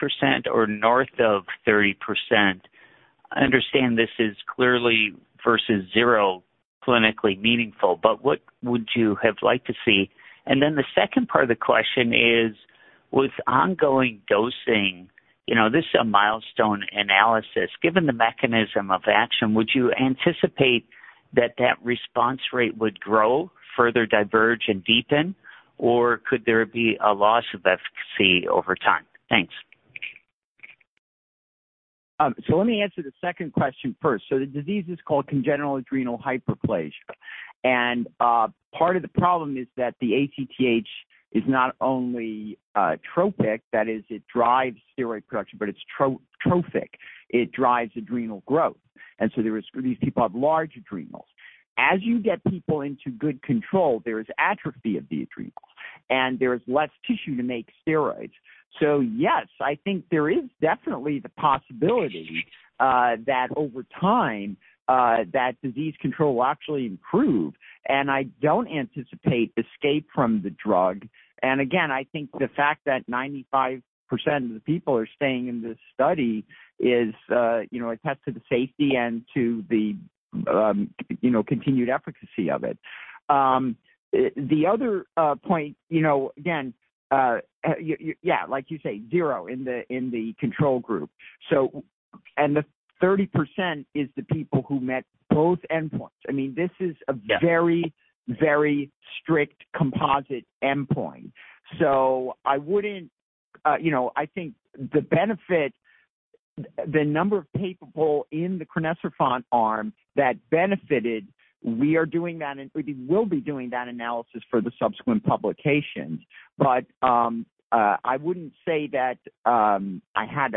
or north of 30%? I understand this is clearly versus zero, clinically meaningful, but what would you have liked to see? And then the second part of the question is, with ongoing dosing, you know, this is a milestone analysis. Given the mechanism of action, would you anticipate that that response rate would grow, further diverge, and deepen, or could there be a loss of efficacy over time? Thanks. Let me answer the second question first. The disease is called congenital adrenal hyperplasia. Part of the problem is that the ACTH is not only tropic, that is, it drives steroid production, but it's trophic. It drives adrenal growth. These people have large adrenals. As you get people into good control, there is atrophy of the adrenals, and there is less tissue to make steroids. Yes, I think there is definitely the possibility that over time, that disease control will actually improve, and I don't anticipate escape from the drug. Again, I think the fact that 95% of the people are staying in this study is, you know, attest to the safety and to the, you know, continued efficacy of it. The other point, you know, again, yeah, like you say, zero in the control group. So, the 30% is the people who met both endpoints. I mean, this is a- Yes. Very, very strict composite endpoint. I wouldn't, you know, I think the benefit, the number of people in the crinecerfont arm that benefited, we are doing that, and we will be doing that analysis for the subsequent publications. I wouldn't say that I had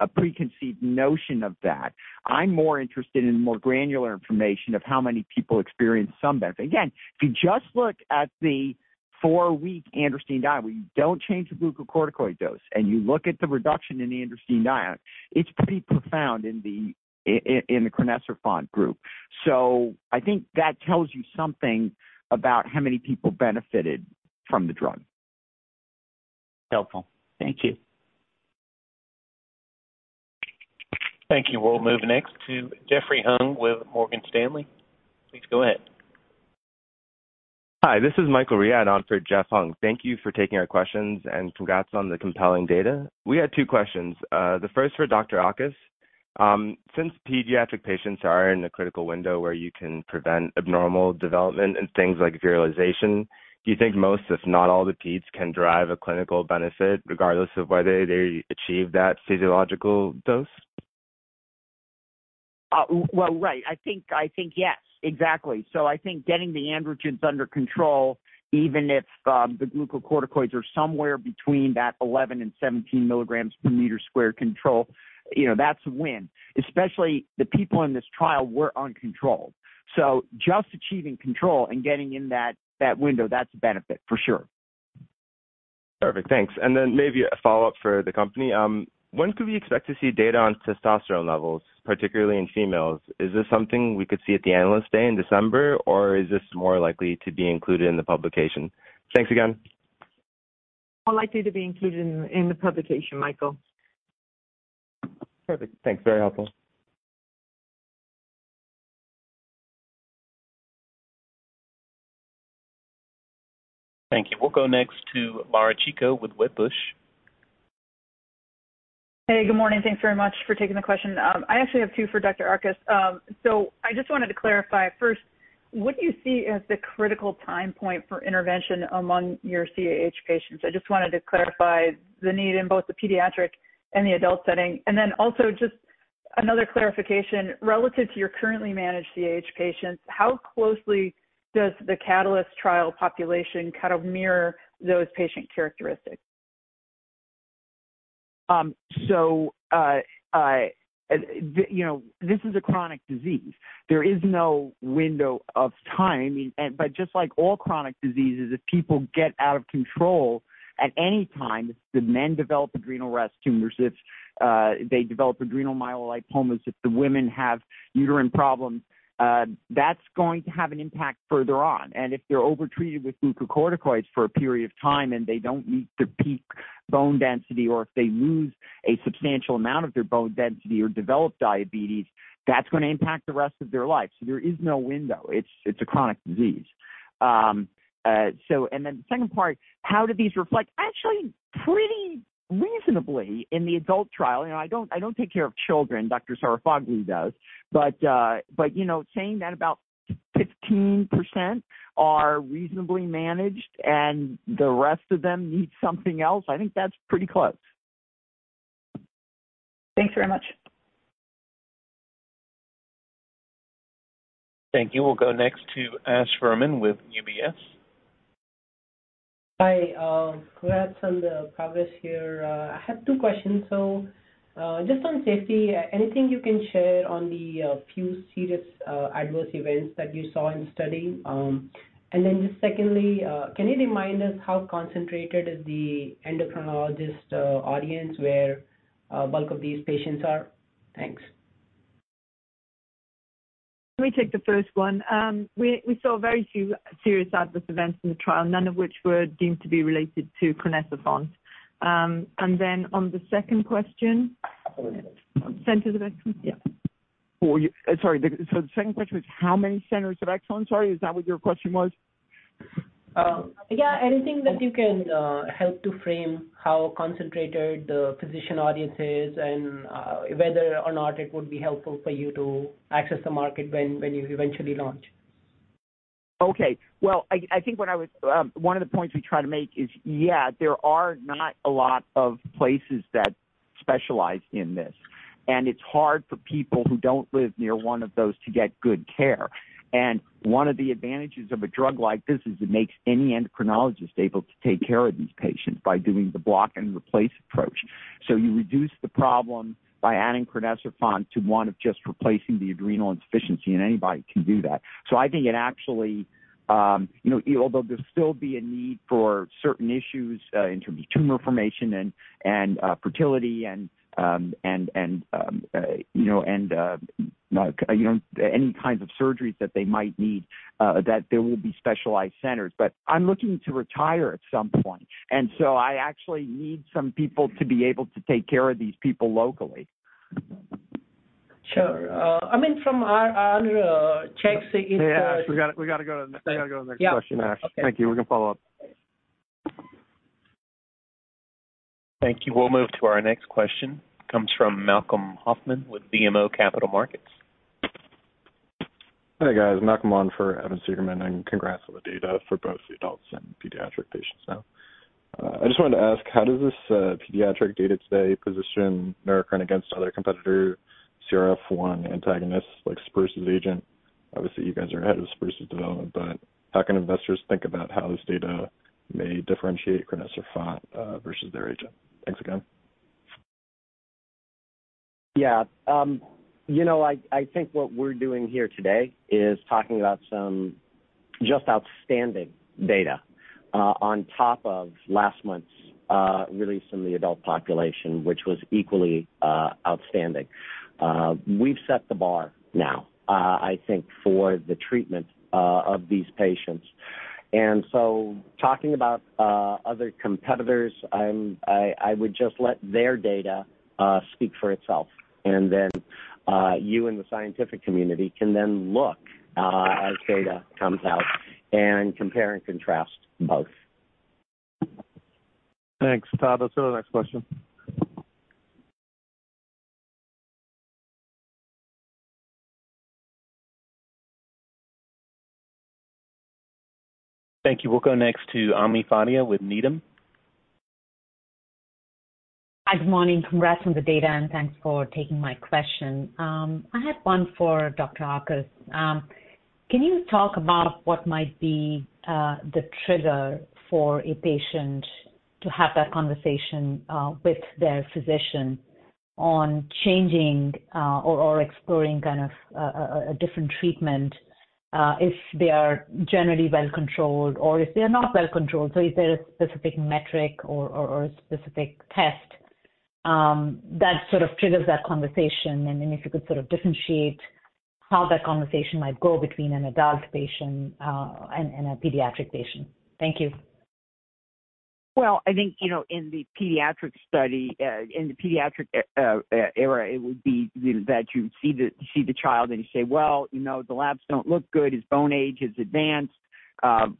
a preconceived notion of that. I'm more interested in more granular information of how many people experienced some benefit. Again, if you just look at the four-week androstenedione, where you don't change the glucocorticoid dose, and you look at the reduction in the androstenedione, it's pretty profound in the crinecerfont group. I think that tells you something about how many people benefited from the drug. Helpful. Thank you. Thank you. We'll move next to Jeffrey Hung with Morgan Stanley. Please go ahead. Hi, this is Michael Riad on for Jeff Hung. Thank you for taking our questions, and congrats on the compelling data. We had two questions. The first for Dr. Richard Auchus. Since pediatric patients are in a critical window where you can prevent abnormal development and things like virilization, do you think most, if not all, the peds can derive a clinical benefit, regardless of whether they achieve that physiological dose? Well, right. I think, I think yes, exactly. I think getting the androgens under control, even if the glucocorticoids are somewhere between that 11 and 17 mg per meter squared control, you know, that's a win. Especially, the people in this trial were uncontrolled. Just achieving control and getting in that window, that's a benefit, for sure. Perfect. Thanks, and then maybe a follow-up for the company. When could we expect to see data on testosterone levels, particularly in females? Is this something we could see at the Analyst Day in December, or is this more likely to be included in the publication? Thanks again. More likely to be included in, in the publication, Michael. Perfect. Thanks. Very helpful. Thank you. We'll go next to Laura Chico with Wedbush. Hey, good morning. Thanks very much for taking the question. I actually have two for Dr. Auchus. So I just wanted to clarify, first, what do you see as the critical time point for intervention among your CAH patients? I just wanted to clarify the need in both the pediatric and the adult setting. And then also, just another clarification, relative to your currently managed CAH patients, how closely does the CAHtalyst trial population kind of mirror those patient characteristics? You know, this is a chronic disease. There is no window of time, and just like all chronic diseases, if people get out of control at any time, the men develop adrenal rest tumors. If they develop adrenal myelolipomas, if the women have uterine problems, that's going to have an impact further on. If they're overtreated with glucocorticoids for a period of time and they don't meet their peak bone density, or if they lose a substantial amount of their bone density or develop diabetes, that's going to impact the rest of their lives. There is no window. It's a chronic disease. So, and then the second part, how do these reflect? Actually, pretty reasonably in the adult trial, and I don't take care of children. Dr. Sarafoglou does. But, but you know, saying that about 15% are reasonably managed and the rest of them need something else, I think that's pretty close. Thanks very much. Thank you. We'll go next to Ash Verma with UBS. Hi, congrats on the progress here. I have two questions. Just on safety, anything you can share on the few serious adverse events that you saw in the study? Can you remind us how concentrated is the endocrinologist audience where bulk of these patients are? Thanks. Let me take the first one. We, we saw very few serious adverse events in the trial, none of which were deemed to be related to crinecerfont. Then on the second question, centers of excellence? Yeah. Sorry, so the second question was how many centers of excellence? Sorry, is that what your question was? Yeah, anything that you can help to frame how concentrated the physician audience is and whether or not it would be helpful for you to access the market when you eventually launch. Okay. Well, I think what I was one of the points we try to make is, yeah, there are not a lot of places that specialize in this, and it's hard for people who don't live near one of those to get good care. And one of the advantages of a drug like this is it makes any endocrinologist able to take care of these patients by doing the block and replace approach. So you reduce the problem by adding crinecerfont to one of just replacing the adrenal insufficiency, and anybody can do that. So I think it actually, you know, although there'll be a need for certain issues in terms of tumor formation and fertility and you know any kinds of surgeries that they might need, that there will be specialized centers. I'm looking to retire at some point, and so I actually need some people to be able to take care of these people locally. Sure. I mean, from our checks it. Hey, Ash, we gotta go to the next question, Ash. Yeah. Okay. Thank you. We're gonna follow up. Thank you. We'll move to our next question. Comes from Malcolm Hoffman with BMO Capital Markets. Hi, guys. Malcolm on for Evan Segerman, and congrats on the data for both the adults and pediatric patients now. I just wanted to ask, how does this pediatric data today position Neurocrine against other competitor CRF1 antagonists, like Spruce's agent? Obviously, you guys are ahead of Spruce's development, but how can investors think about how this data may differentiate crinecerfont versus their agent? Thanks again. Yeah. You know, I think what we're doing here today is talking about some just outstanding data on top of last month's release in the adult population, which was equally outstanding. We've set the bar now, I think, for the treatment of these patients. And so talking about other competitors, I would just let their data speak for itself, and then you and the scientific community can then look as data comes out and compare and contrast both. Thanks, Todd. Let's go to the next question. Thank you. We'll go next to Ami Fadia with Needham. Hi, good morning. Congrats on the data, and thanks for taking my question. I had one for Dr. Auchus. Can you talk about what might be the trigger for a patient to have that conversation with their physician on changing or exploring kind of a different treatment if they are generally well controlled or if they are not well controlled? So is there a specific metric or a specific test that sort of triggers that conversation? And then if you could sort of differentiate how that conversation might go between an adult patient and a pediatric patient. Thank you. Well, I think, you know, in the pediatric study, in the pediatric era, it would be that you see the child and you say, "Well, you know, the labs don't look good. His bone age is advanced.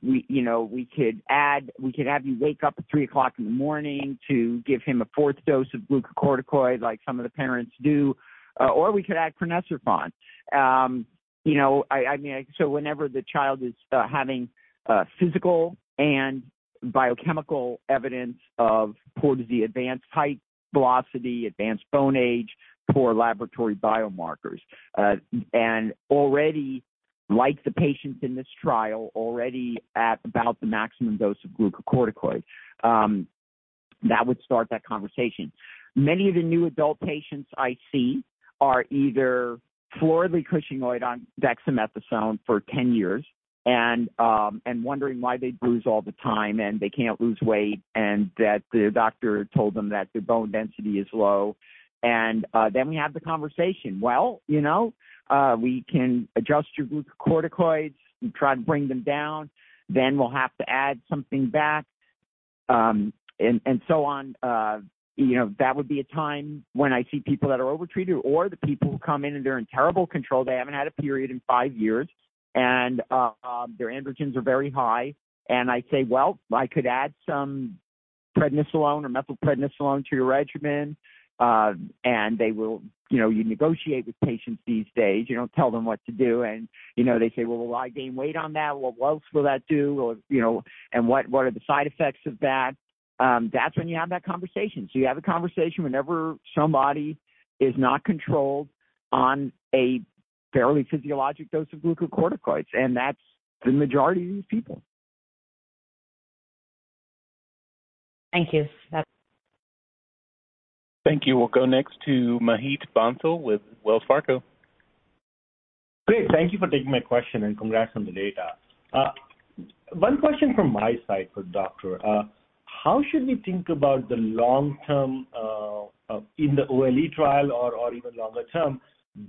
We, you know, we could add—We could have you wake up at 3:00 A.M. to give him a fourth dose of glucocorticoid, like some of the parents do, or we could add crinecerfont." You know, I mean, so whenever the child is having physical and biochemical evidence of poor disease, advanced height velocity, advanced bone age, poor laboratory biomarkers. And already, like the patients in this trial, already at about the maximum dose of glucocorticoid, that would start that conversation. Many of the new adult patients I see are either floridly Cushingoid on dexamethasone for 10 years, and wondering why they bruise all the time, and they can't lose weight, and that the doctor told them that their bone density is low. Then we have the conversation. "Well, you know, we can adjust your glucocorticoids and try to bring them down. Then we'll have to add something back," and so on. You know, that would be a time when I see people that are overtreated or the people who come in and they're in terrible control. They haven't had a period in five years, and their androgens are very high. I say, "Well, I could add some prednisolone or methylprednisolone to your regimen." They will... You know, you negotiate with patients these days. You don't tell them what to do. You know, they say, "Well, will I gain weight on that? What else will that do?" Or, you know, "And what, what are the side effects of that?" That's when you have that conversation. So you have a conversation whenever somebody is not controlled on a fairly physiologic dose of glucocorticoids, and that's the majority of these people. Thank you. Thank you. We'll go next to Mohit Bansal with Wells Fargo. Great, thank you for taking my question, and congrats on the data. One question from my side for doctor. How should we think about the long-term, in the OLE trial or even longer-term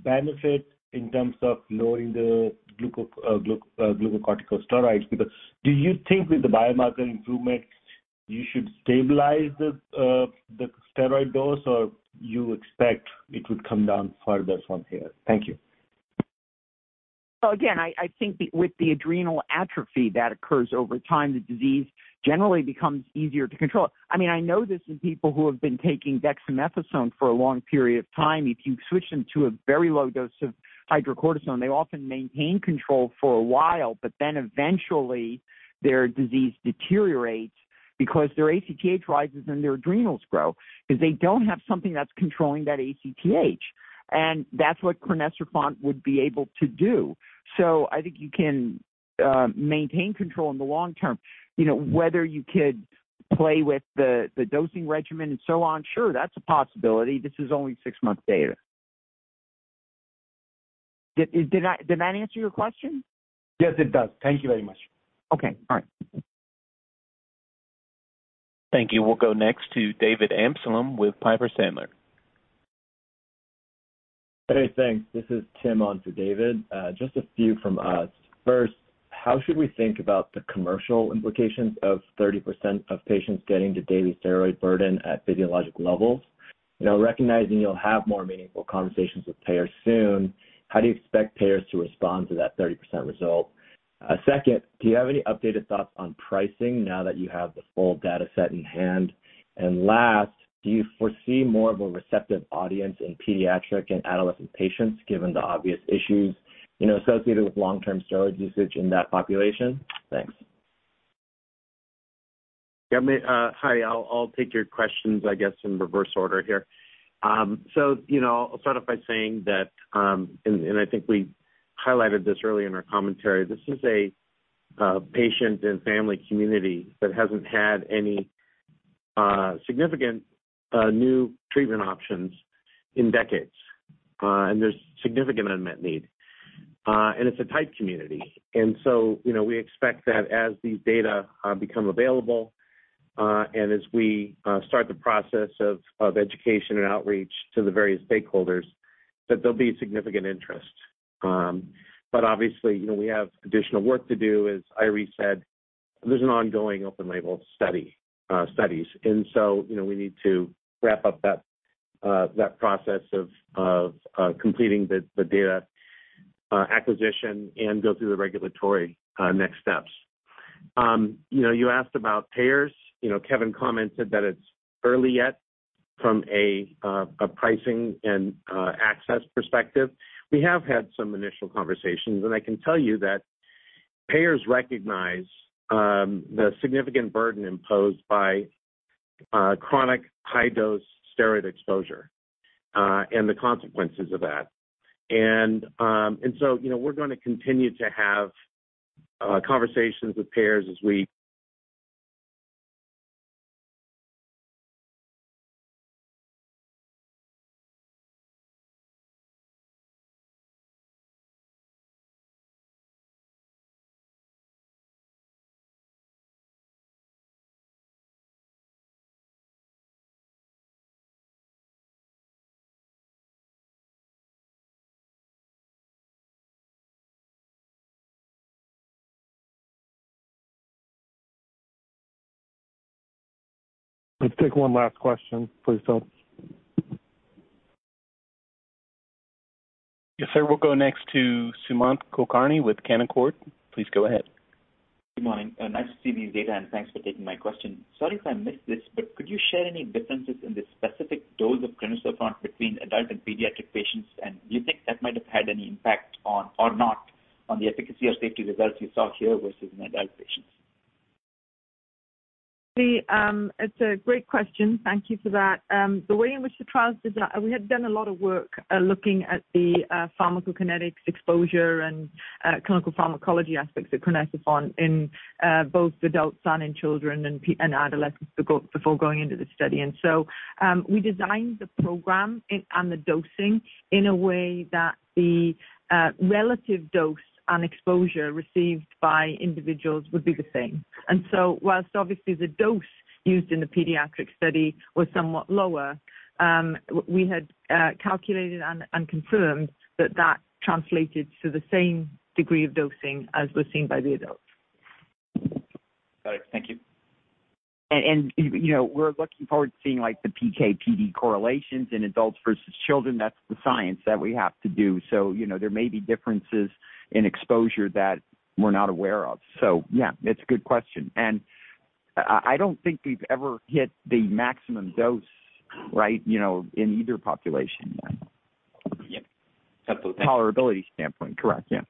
benefit in terms of lowering the glucocorticosteroids? Because do you think with the biomarker improvement, you should stabilize the steroid dose, or you expect it would come down further from here? Thank you. Again, I think with the adrenal atrophy that occurs over time, the disease generally becomes easier to control. I mean, I know this in people who have been taking dexamethasone for a long period of time. If you switch them to a very low dose of hydrocortisone, they often maintain control for a while, but then eventually, their disease deteriorates because their ACTH rises, and their adrenals grow, because they don't have something that's controlling that ACTH. And that's what crinecerfont would be able to do. So I think you can maintain control in the long term. You know, whether you could play with the dosing regimen and so on, sure, that's a possibility. This is only six months data. Did that answer your question? Yes, it does. Thank you very much. Okay. All right. Thank you. We'll go next to David Amsellem with Piper Sandler. Hey, thanks. This is Tim on for David. Just a few from us. First- How should we think about the commercial implications of 30% of patients getting to daily steroid burden at physiologic levels? Now, recognizing you'll have more meaningful conversations with payers soon, how do you expect payers to respond to that 30% result? Second, do you have any updated thoughts on pricing now that you have the full data set in hand? And last, do you foresee more of a receptive audience in pediatric and adolescent patients, given the obvious issues, you know, associated with long-term steroid usage in that population? Thanks. Yeah, hi, I'll take your questions, I guess, in reverse order here. So, you know, I'll start off by saying that, and I think we highlighted this early in our commentary. This is a patient and family community that hasn't had any significant new treatment options in decades, and there's significant unmet need. And it's a tight community. And so, you know, we expect that as these data become available, and as we start the process of education and outreach to the various stakeholders, that there'll be significant interest. But obviously, you know, we have additional work to do, as Eiry said, there's an ongoing open label study, studies. And so, you know, we need to wrap up that process of completing the data acquisition and go through the regulatory next steps. You know, you asked about payers. You know, Kevin commented that it's early yet from a pricing and access perspective. We have had some initial conversations, and I can tell you that payers recognize the significant burden imposed by chronic high-dose steroid exposure and the consequences of that. And so, you know, we're going to continue to have conversations with payers as we. Let's take one last question, please, Phil. Yes, sir. We'll go next to Sumant Kulkarni with Canaccord. Please go ahead. Good morning. Nice to see these data, and thanks for taking my question. Sorry if I missed this, but could you share any differences in the specific dose of crinecerfont between adult and pediatric patients? And do you think that might have had any impact on or not, on the efficacy or safety results you saw here versus in adult patients? It's a great question. Thank you for that. The way in which the trials were designed, we had done a lot of work looking at the pharmacokinetics exposure and clinical pharmacology aspects of crinecerfont in both adults and in children and adolescents before going into the study. We designed the program and the dosing in a way that the relative dose and exposure received by individuals would be the same. Whilst obviously the dose used in the pediatric study was somewhat lower, we had calculated and confirmed that that translated to the same degree of dosing as was seen by the adults. Got it. Thank you. You know, we're looking forward to seeing, like, the PK/PD correlations in adults versus children. That's the science that we have to do. So, you know, there may be differences in exposure that we're not aware of. So, yeah, it's a good question, and I don't think we've ever hit the maximum dose, right, you know, in either population yet. Yeah. Absolutely. Tolerability standpoint. Correct. Yeah.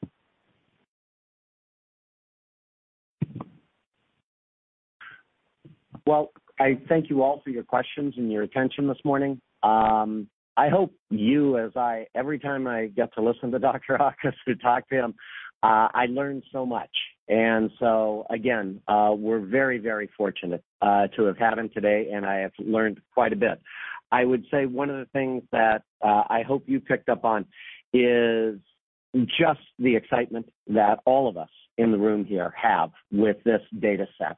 Well, I thank you all for your questions and your attention this morning. I hope you, as I, every time I get to listen to Dr. Auchus or talk to him, I learn so much. And so again, we're very, very fortunate to have had him today, and I have learned quite a bit. I would say one of the things that I hope you picked up on is just the excitement that all of us in the room here have with this data set.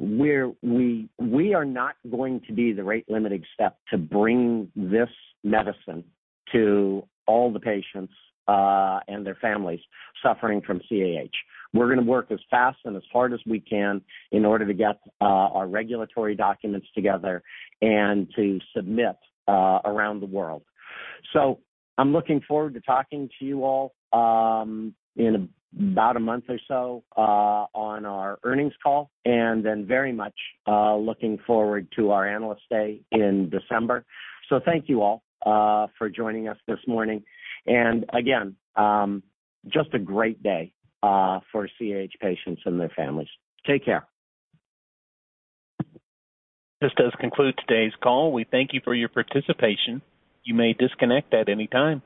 We are not going to be the rate-limiting step to bring this medicine to all the patients and their families suffering from CAH. We're going to work as fast and as hard as we can in order to get our regulatory documents together and to submit around the world. So I'm looking forward to talking to you all in about a month or so on our earnings call, and then very much looking forward to our Analyst Day in December. So thank you all for joining us this morning. And again, just a great day for CAH patients and their families. Take care. This does conclude today's call. We thank you for your participation. You may disconnect at any time.